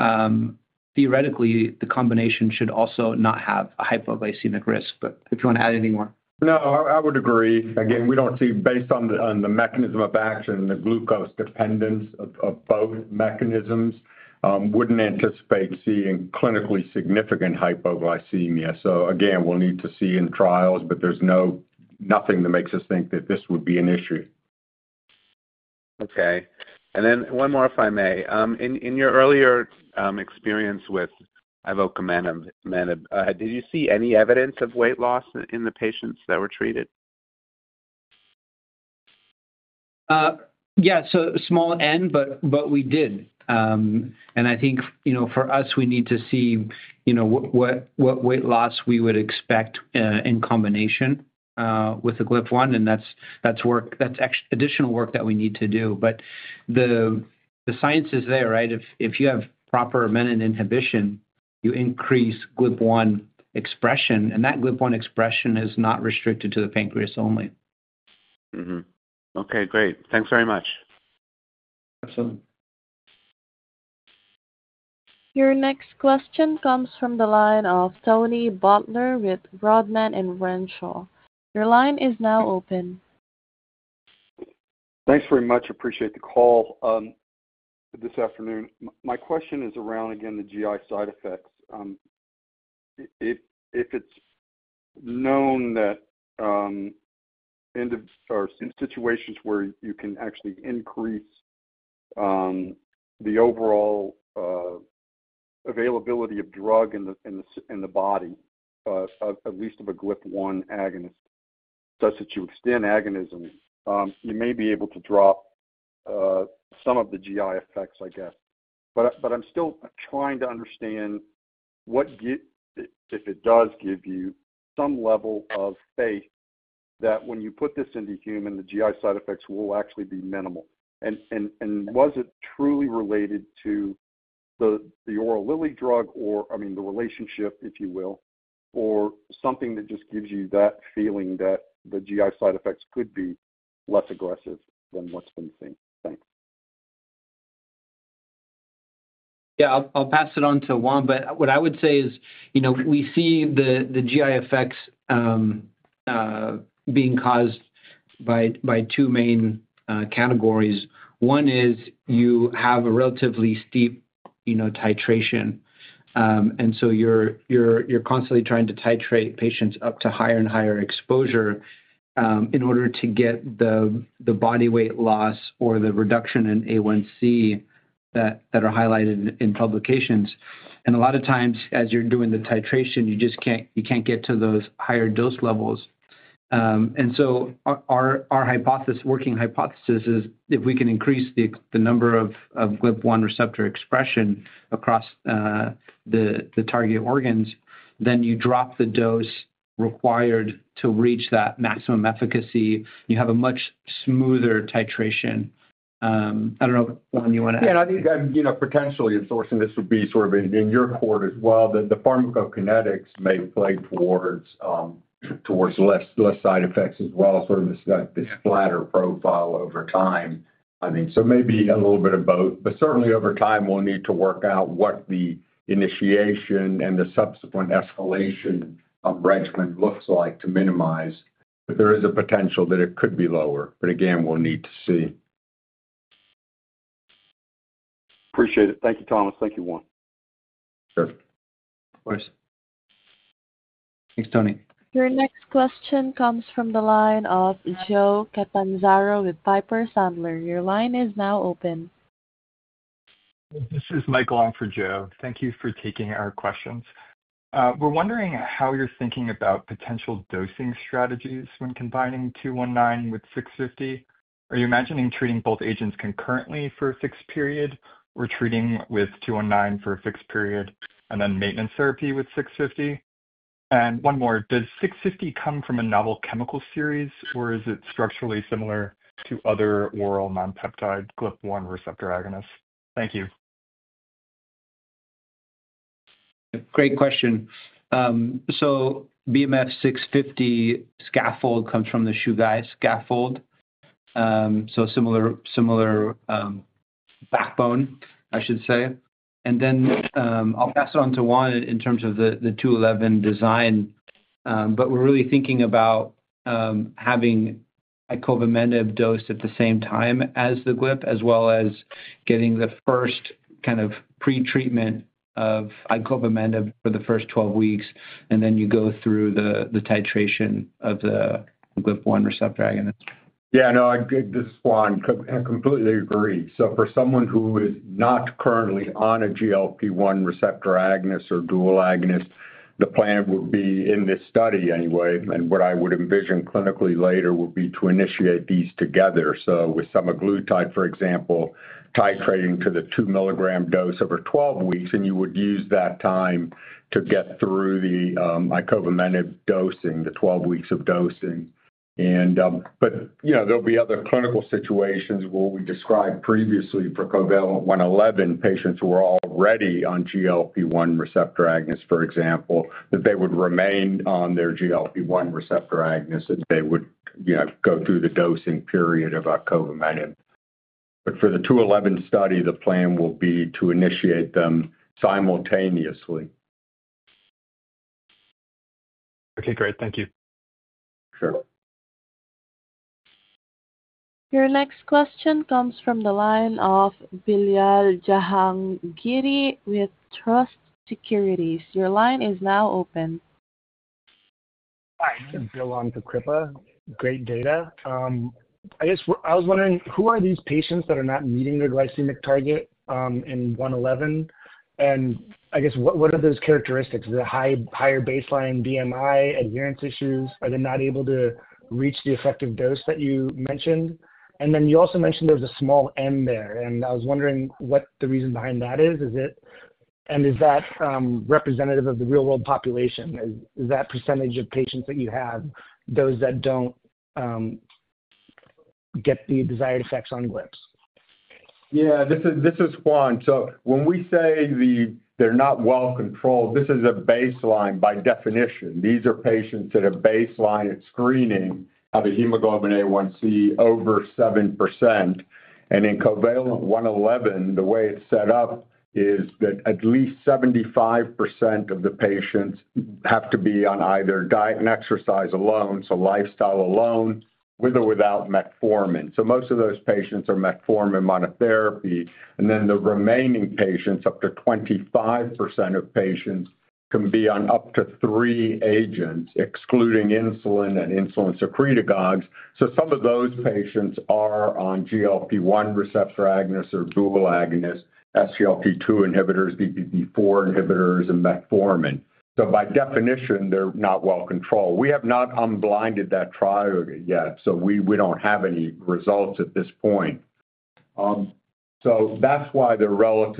theoretically, the combination should also not have a hypoglycemic risk. But if you want to add any more. No, I would agree. Again, we don't see, based on the mechanism of action, the glucose dependence of both mechanisms, wouldn't anticipate seeing clinically significant hypoglycemia. So again, we'll need to see in trials, but there's nothing that makes us think that this would be an issue. Okay. And then one more, if I may. In your earlier experience with icovamenib, did you see any evidence of weight loss in the patients that were treated? Yeah. So small N, but we did. And I think for us, we need to see what weight loss we would expect in combination with the GLP-1. And that's additional work that we need to do. But the science is there, right? If you have proper menin inhibition, you increase GLP-1 expression. And that GLP-1 expression is not restricted to the pancreas only. Okay. Great. Thanks very much. Absolutely. Your next question comes from the line of Tony Butler with Rodman & Renshaw. Your line is now open. Thanks very much. Appreciate the call this afternoon. My question is around, again, the GI side effects. If it's known that in situations where you can actually increase the overall availability of drug in the body, at least of a GLP-1 agonist, such that you extend agonism, you may be able to drop some of the GI effects, I guess. But I'm still trying to understand what give, if it does give you, some level of faith that when you put this into human, the GI side effects will actually be minimal, and was it truly related to the oral Lilly drug or, I mean, the relationship, if you will, or something that just gives you that feeling that the GI side effects could be less aggressive than what's been seen? Thanks. Yeah. I'll pass it on to Juan. But what I would say is we see the GI effects being caused by two main categories. One is you have a relatively steep titration. And so you're constantly trying to titrate patients up to higher and higher exposure in order to get the body weight loss or the reduction in A1C that are highlighted in publications. And a lot of times, as you're doing the titration, you can't get to those higher dose levels. And so our working hypothesis is if we can increase the number of GLP-1 receptor expression across the target organs, then you drop the dose required to reach that maximum efficacy. You have a much smoother titration. I don't know, Juan, you want to add? Yeah. I think potentially endorsing this would be sort of in your court as well, that the pharmacokinetics may play towards less side effects as well, sort of this flatter profile over time. I mean, so maybe a little bit of both, but certainly over time we'll need to work out what the initiation and the subsequent escalation of regimen looks like to minimize, but there is a potential that it could be lower, but again we'll need to see. Appreciate it. Thank you, Thomas. Thank you, Juan. Sure. Thanks, Tony. Your next question comes from the line of Joe Catanzaro with Piper Sandler. Your line is now open. This is Michael, I'm in for Joe. Thank you for taking our questions. We're wondering how you're thinking about potential dosing strategies when combining 219 with 650. Are you imagining treating both agents concurrently for a fixed period or treating with 219 for a fixed period and then maintenance therapy with 650? And one more, does 650 come from a novel chemical series, or is it structurally similar to other oral non-peptide GLP-1 receptor agonists? Thank you. Great question. So BMF-650 scaffold comes from the Chugai scaffold, so similar backbone, I should say. And then I'll pass it on to Juan in terms of the 211 design. But we're really thinking about having icovamenib dosed at the same time as the GLP as well as getting the first kind of pretreatment of icovamenib for the first 12 weeks, and then you go through the titration of the GLP-1 receptor agonist. Yeah. No, this is Juan. I completely agree, so for someone who is not currently on a GLP-1 receptor agonist or dual agonist, the plan would be in this study anyway. And what I would envision clinically later would be to initiate these together. So with semaglutide, for example, titrating to the two-milligram dose over 12 weeks, and you would use that time to get through the icovamenib dosing, the 12 weeks of dosing. But there'll be other clinical situations where we described previously for COVALENT-111 patients who are already on GLP-1 receptor agonist, for example, that they would remain on their GLP-1 receptor agonist if they would go through the dosing period of icovamenib. For the COVALENT-211 study, the plan will be to initiate them simultaneously. Okay. Great. Thank you. Sure. Your next question comes from the line of Bilal Jahangiri with Truist Securities. Your line is now open. Hi. This is Bilal, I'm in for Kripa. Great data. I guess I was wondering, who are these patients that are not meeting their glycemic target in 111? And I guess, what are those characteristics? Is it higher baseline BMI, adherence issues? Are they not able to reach the effective dose that you mentioned? And then you also mentioned there's a small M there. And I was wondering what the reason behind that is. And is that representative of the real-world population? Is that percentage of patients that you have those that don't get the desired effects on GLPs? Yeah. This is Juan. So when we say they're not well controlled, this is a baseline by definition. These are patients that are baseline at screening of a hemoglobin A1c over 7%. And in COVALENT-111, the way it's set up is that at least 75% of the patients have to be on either diet and exercise alone, so lifestyle alone, with or without metformin. So most of those patients are metformin monotherapy. And then the remaining patients, up to 25% of patients, can be on up to three agents, excluding insulin and insulin secretagogues. So some of those patients are on GLP-1 receptor agonists or dual agonists, SGLT2 inhibitors, DPP-4 inhibitors, and metformin. So by definition, they're not well controlled. We have not unblinded that trial yet. So we don't have any results at this point. So that's why there are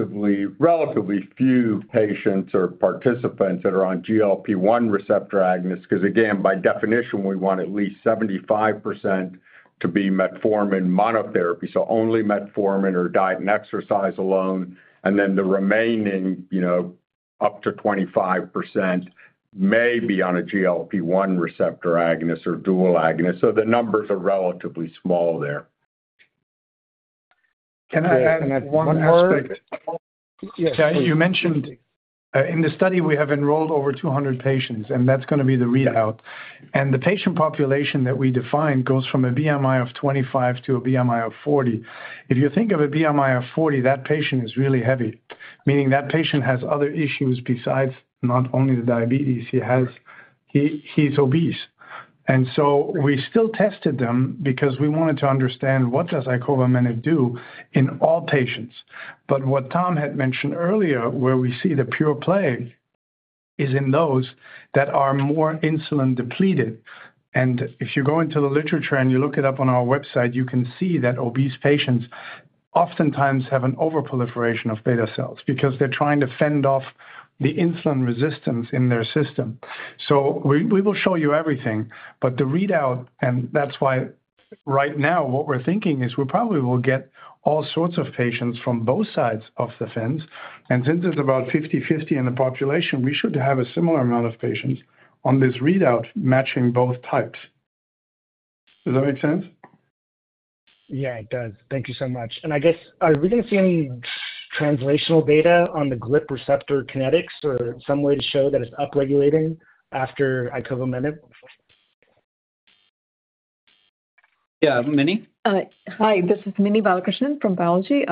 relatively few patients or participants that are on GLP-1 receptor agonists because, again, by definition, we want at least 75% to be metformin monotherapy, so only metformin or diet and exercise alone. And then the remaining up to 25% may be on a GLP-1 receptor agonist or dual agonist. So the numbers are relatively small there. Can I add one more? Yes. You mentioned in the study, we have enrolled over 200 patients, and that's going to be the readout, and the patient population that we define goes from a BMI of 25 to a BMI of 40. If you think of a BMI of 40, that patient is really heavy, meaning that patient has other issues besides not only the diabetes. He's obese, and so we still tested them because we wanted to understand what does icovamenib do in all patients, but what Tom had mentioned earlier, where we see the pure play, is in those that are more insulin-depleted, and if you go into the literature and you look it up on our website, you can see that obese patients oftentimes have an overproliferation of beta cells because they're trying to fend off the insulin resistance in their system, so we will show you everything. But the readout, and that's why right now what we're thinking is we probably will get all sorts of patients from both sides of the fence. And since it's about 50/50 in the population, we should have a similar amount of patients on this readout matching both types. Does that make sense? Yeah, it does. Thank you so much. And I guess, are we going to see any translational data on the GLP receptor kinetics or some way to show that it's upregulating after icovamenib? Yeah. Mini? Hi. This is Minnie Balakrishnan from Biology.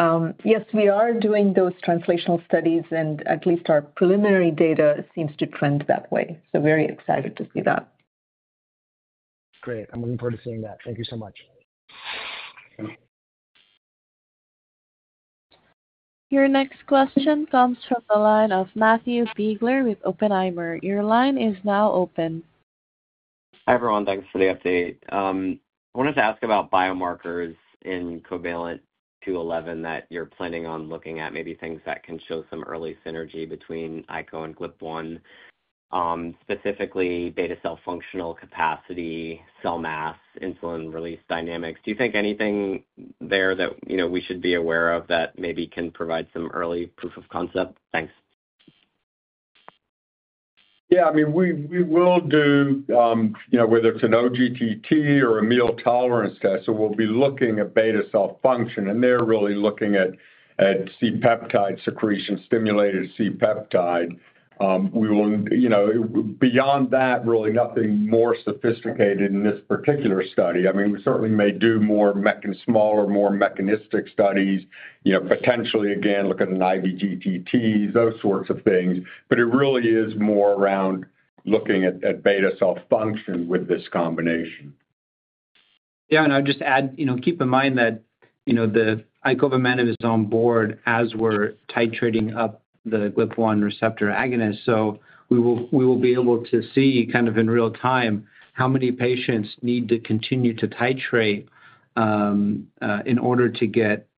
Yes, we are doing those translational studies, and at least our preliminary data seems to trend that way. So very excited to see that. Great. I'm looking forward to seeing that. Thank you so much. Your next question comes from the line of Matthew Biegler with Oppenheimer. Your line is now open. Hi, everyone. Thanks for the update. I wanted to ask about biomarkers in COVALENT-211 that you're planning on looking at, maybe things that can show some early synergy between icovamenib and GLP-1, specifically beta cell functional capacity, cell mass, insulin-release dynamics. Do you think anything there that we should be aware of that maybe can provide some early proof of concept? Thanks. Yeah. I mean, we will do, whether it's an OGTT or a meal tolerance test, so we'll be looking at beta cell function. And they're really looking at C-peptide secretion, stimulated C-peptide. Beyond that, really nothing more sophisticated in this particular study. I mean, we certainly may do smaller, more mechanistic studies, potentially, again, look at an IVGTT, those sorts of things. But it really is more around looking at beta cell function with this combination. Yeah. And I'll just add, keep in mind that the icovamenib is on board as we're titrating up the GLP-1 receptor agonist. So we will be able to see kind of in real time how many patients need to continue to titrate in order to get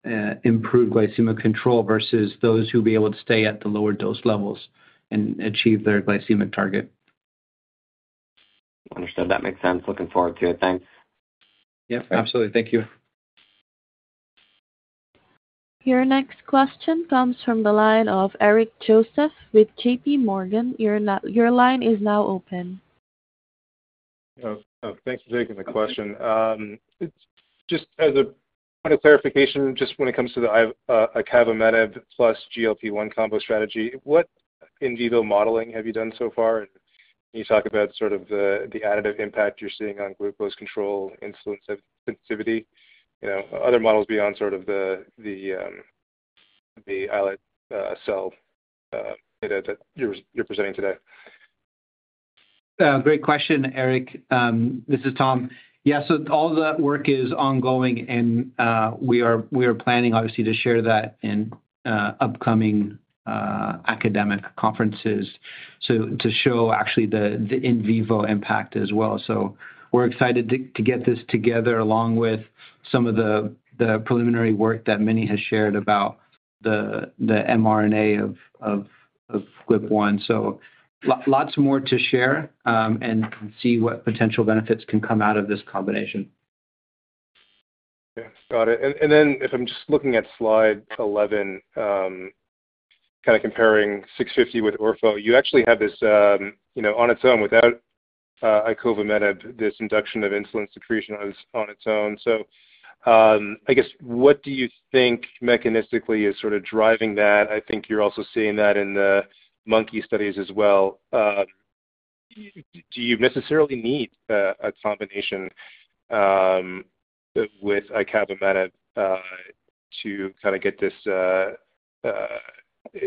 improved glycemic control versus those who will be able to stay at the lower dose levels and achieve their glycemic target. Understood. That makes sense. Looking forward to it. Thanks. Yep. Absolutely. Thank you. Your next question comes from the line of Eric Joseph with JPMorgan. Your line is now open. Thanks for taking the question. Just as a point of clarification, just when it comes to the icovamenib plus GLP-1 combo strategy, what in vivo modeling have you done so far? And can you talk about sort of the additive impact you're seeing on glucose control, insulin sensitivity, other models beyond sort of the islet cell data that you're presenting today? Great question, Eric. This is Tom. Yeah. So all that work is ongoing, and we are planning, obviously, to share that in upcoming academic conferences to show actually the in vivo impact as well. So we're excited to get this together along with some of the preliminary work that Minnie has shared about the mRNA of GLP-1. So lots more to share and see what potential benefits can come out of this combination. Yeah. Got it. And then if I'm just looking at Slide 11, kind of comparing 650 with orforglipron. You actually have this on its own without icovamenib, this induction of insulin secretion on its own. So I guess, what do you think mechanistically is sort of driving that? I think you're also seeing that in the monkey studies as well. Do you necessarily need a combination with icovamenib to kind of get this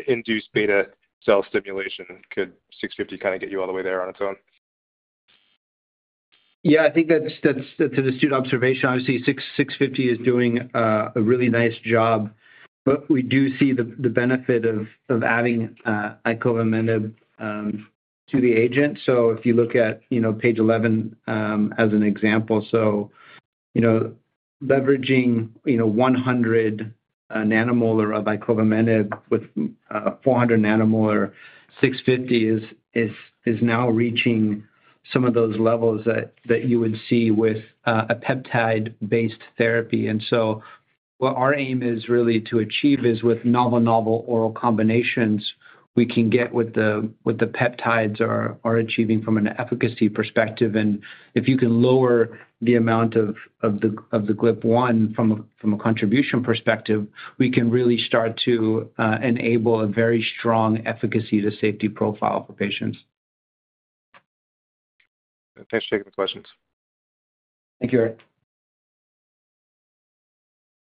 induced beta cell stimulation? Could 650 kind of get you all the way there on its own? Yeah. I think that's the stated observation. Obviously, 650 is doing a really nice job, but we do see the benefit of adding icovamenib to the agent. So if you look at page 11 as an example, leveraging 100 nanomolar of icovamenib with 400 nanomolar 650 is now reaching some of those levels that you would see with a peptide-based therapy. And so what our aim is really to achieve is with novel oral combinations we can get what the peptides are achieving from an efficacy perspective. And if you can lower the amount of the GLP-1 from a contribution perspective, we can really start to enable a very strong efficacy to safety profile for patients. Thanks for taking the questions. Thank you, Eric.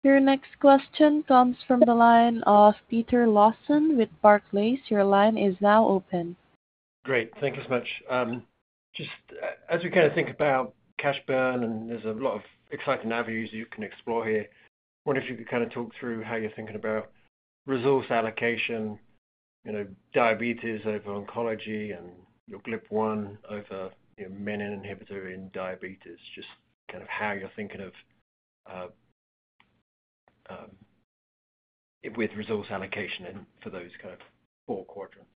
Your next question comes from the line of Peter Lawson with Barclays. Your line is now open. Great. Thank you so much. Just as we kind of think about cash burn, and there's a lot of exciting avenues you can explore here. I wonder if you could kind of talk through how you're thinking about resource allocation, diabetes over oncology, and your GLP-1 over menin inhibitor in diabetes, just kind of how you're thinking of with resource allocation for those kind of four quadrants.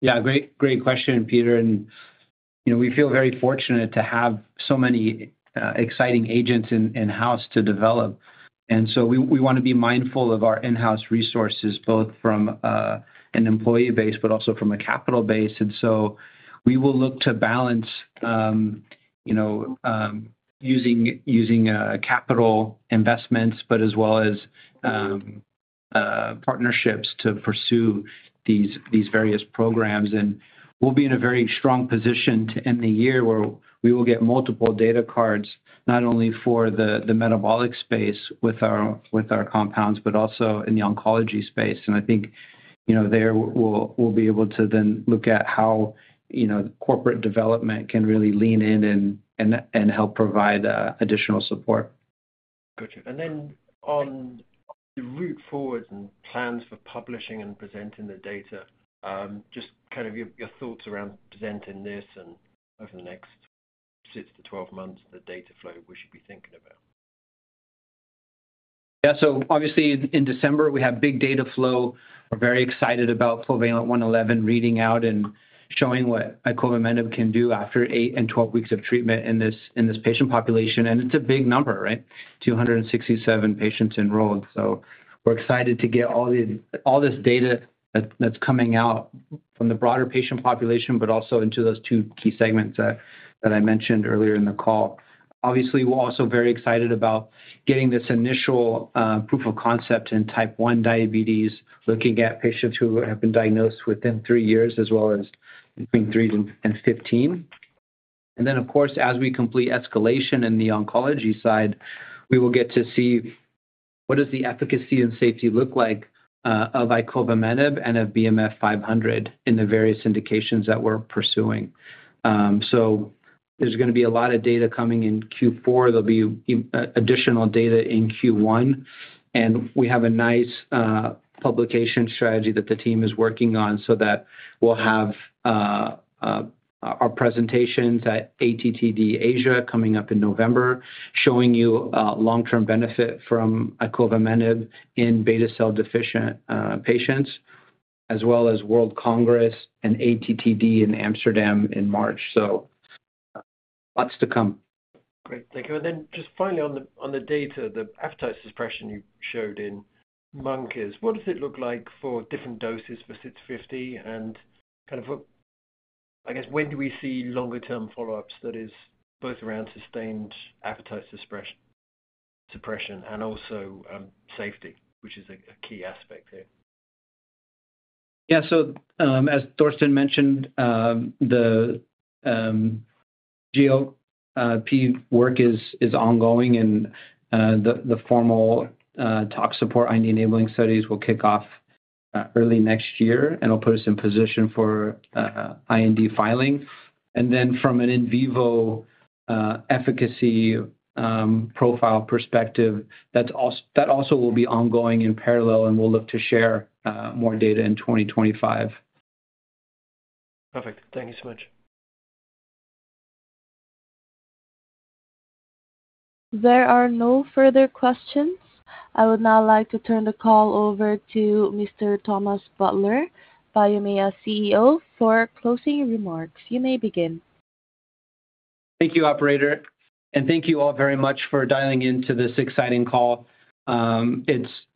Yeah. Great question, Peter, and we feel very fortunate to have so many exciting agents in-house to develop, and so we want to be mindful of our in-house resources, both from an employee base but also from a capital base, and so we will look to balance using capital investments but as well as partnerships to pursue these various programs, and we'll be in a very strong position to end the year where we will get multiple data cards, not only for the metabolic space with our compounds but also in the oncology space, and I think there we'll be able to then look at how corporate development can really lean in and help provide additional support. Gotcha. And then on the road forward and plans for publishing and presenting the data, just kind of your thoughts around presenting this and over the next six to 12 months, the data flow we should be thinking about? Yeah. So obviously, in December, we have big data flow. We're very excited about COVALENT-111 reading out and showing what icovamenib can do after 8 and 12 weeks of treatment in this patient population. And it's a big number, right? 267 patients enrolled. So we're excited to get all this data that's coming out from the broader patient population but also into those two key segments that I mentioned earlier in the call. Obviously, we're also very excited about getting this initial proof of concept in type 1 diabetes, looking at patients who have been diagnosed within three years as well as between three and 15. And then, of course, as we complete escalation in the oncology side, we will get to see what the efficacy and safety look like of icovamenib and of BMF-500 in the various indications that we're pursuing. So there's going to be a lot of data coming in Q4. There'll be additional data in Q1. And we have a nice publication strategy that the team is working on so that we'll have our presentations at ATTD Asia coming up in November, showing you long-term benefit from icovamenib in beta cell deficient patients, as well as World Congress and ATTD in Amsterdam in March. So lots to come. Great. Thank you. And then just finally, on the data, the appetite suppression you showed in monkeys, what does it look like for different doses for 650? And kind of, I guess, when do we see longer-term follow-ups? That is both around sustained appetite suppression and also safety, which is a key aspect here. Yeah, so as Thorsten mentioned, the GLP work is ongoing, and the formal tox support IND enabling studies will kick off early next year, and it'll put us in position for IND filing, and then from an in vivo efficacy profile perspective, that also will be ongoing in parallel, and we'll look to share more data in 2025. Perfect. Thank you so much. There are no further questions. I would now like to turn the call over to Mr. Thomas Butler, Biomea CEO, for closing remarks. You may begin. Thank you, Operator, and thank you all very much for dialing into this exciting call.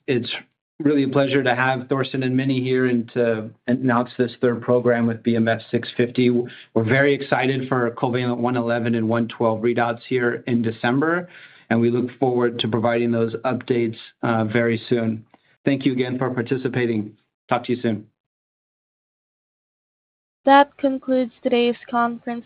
It's really a pleasure to have Thorsten and Minnie here and to announce this third program with BMF-650. We're very excited for COVALENT-111 and COVALENT-112 readouts here in December, and we look forward to providing those updates very soon. Thank you again for participating. Talk to you soon. That concludes today's conference.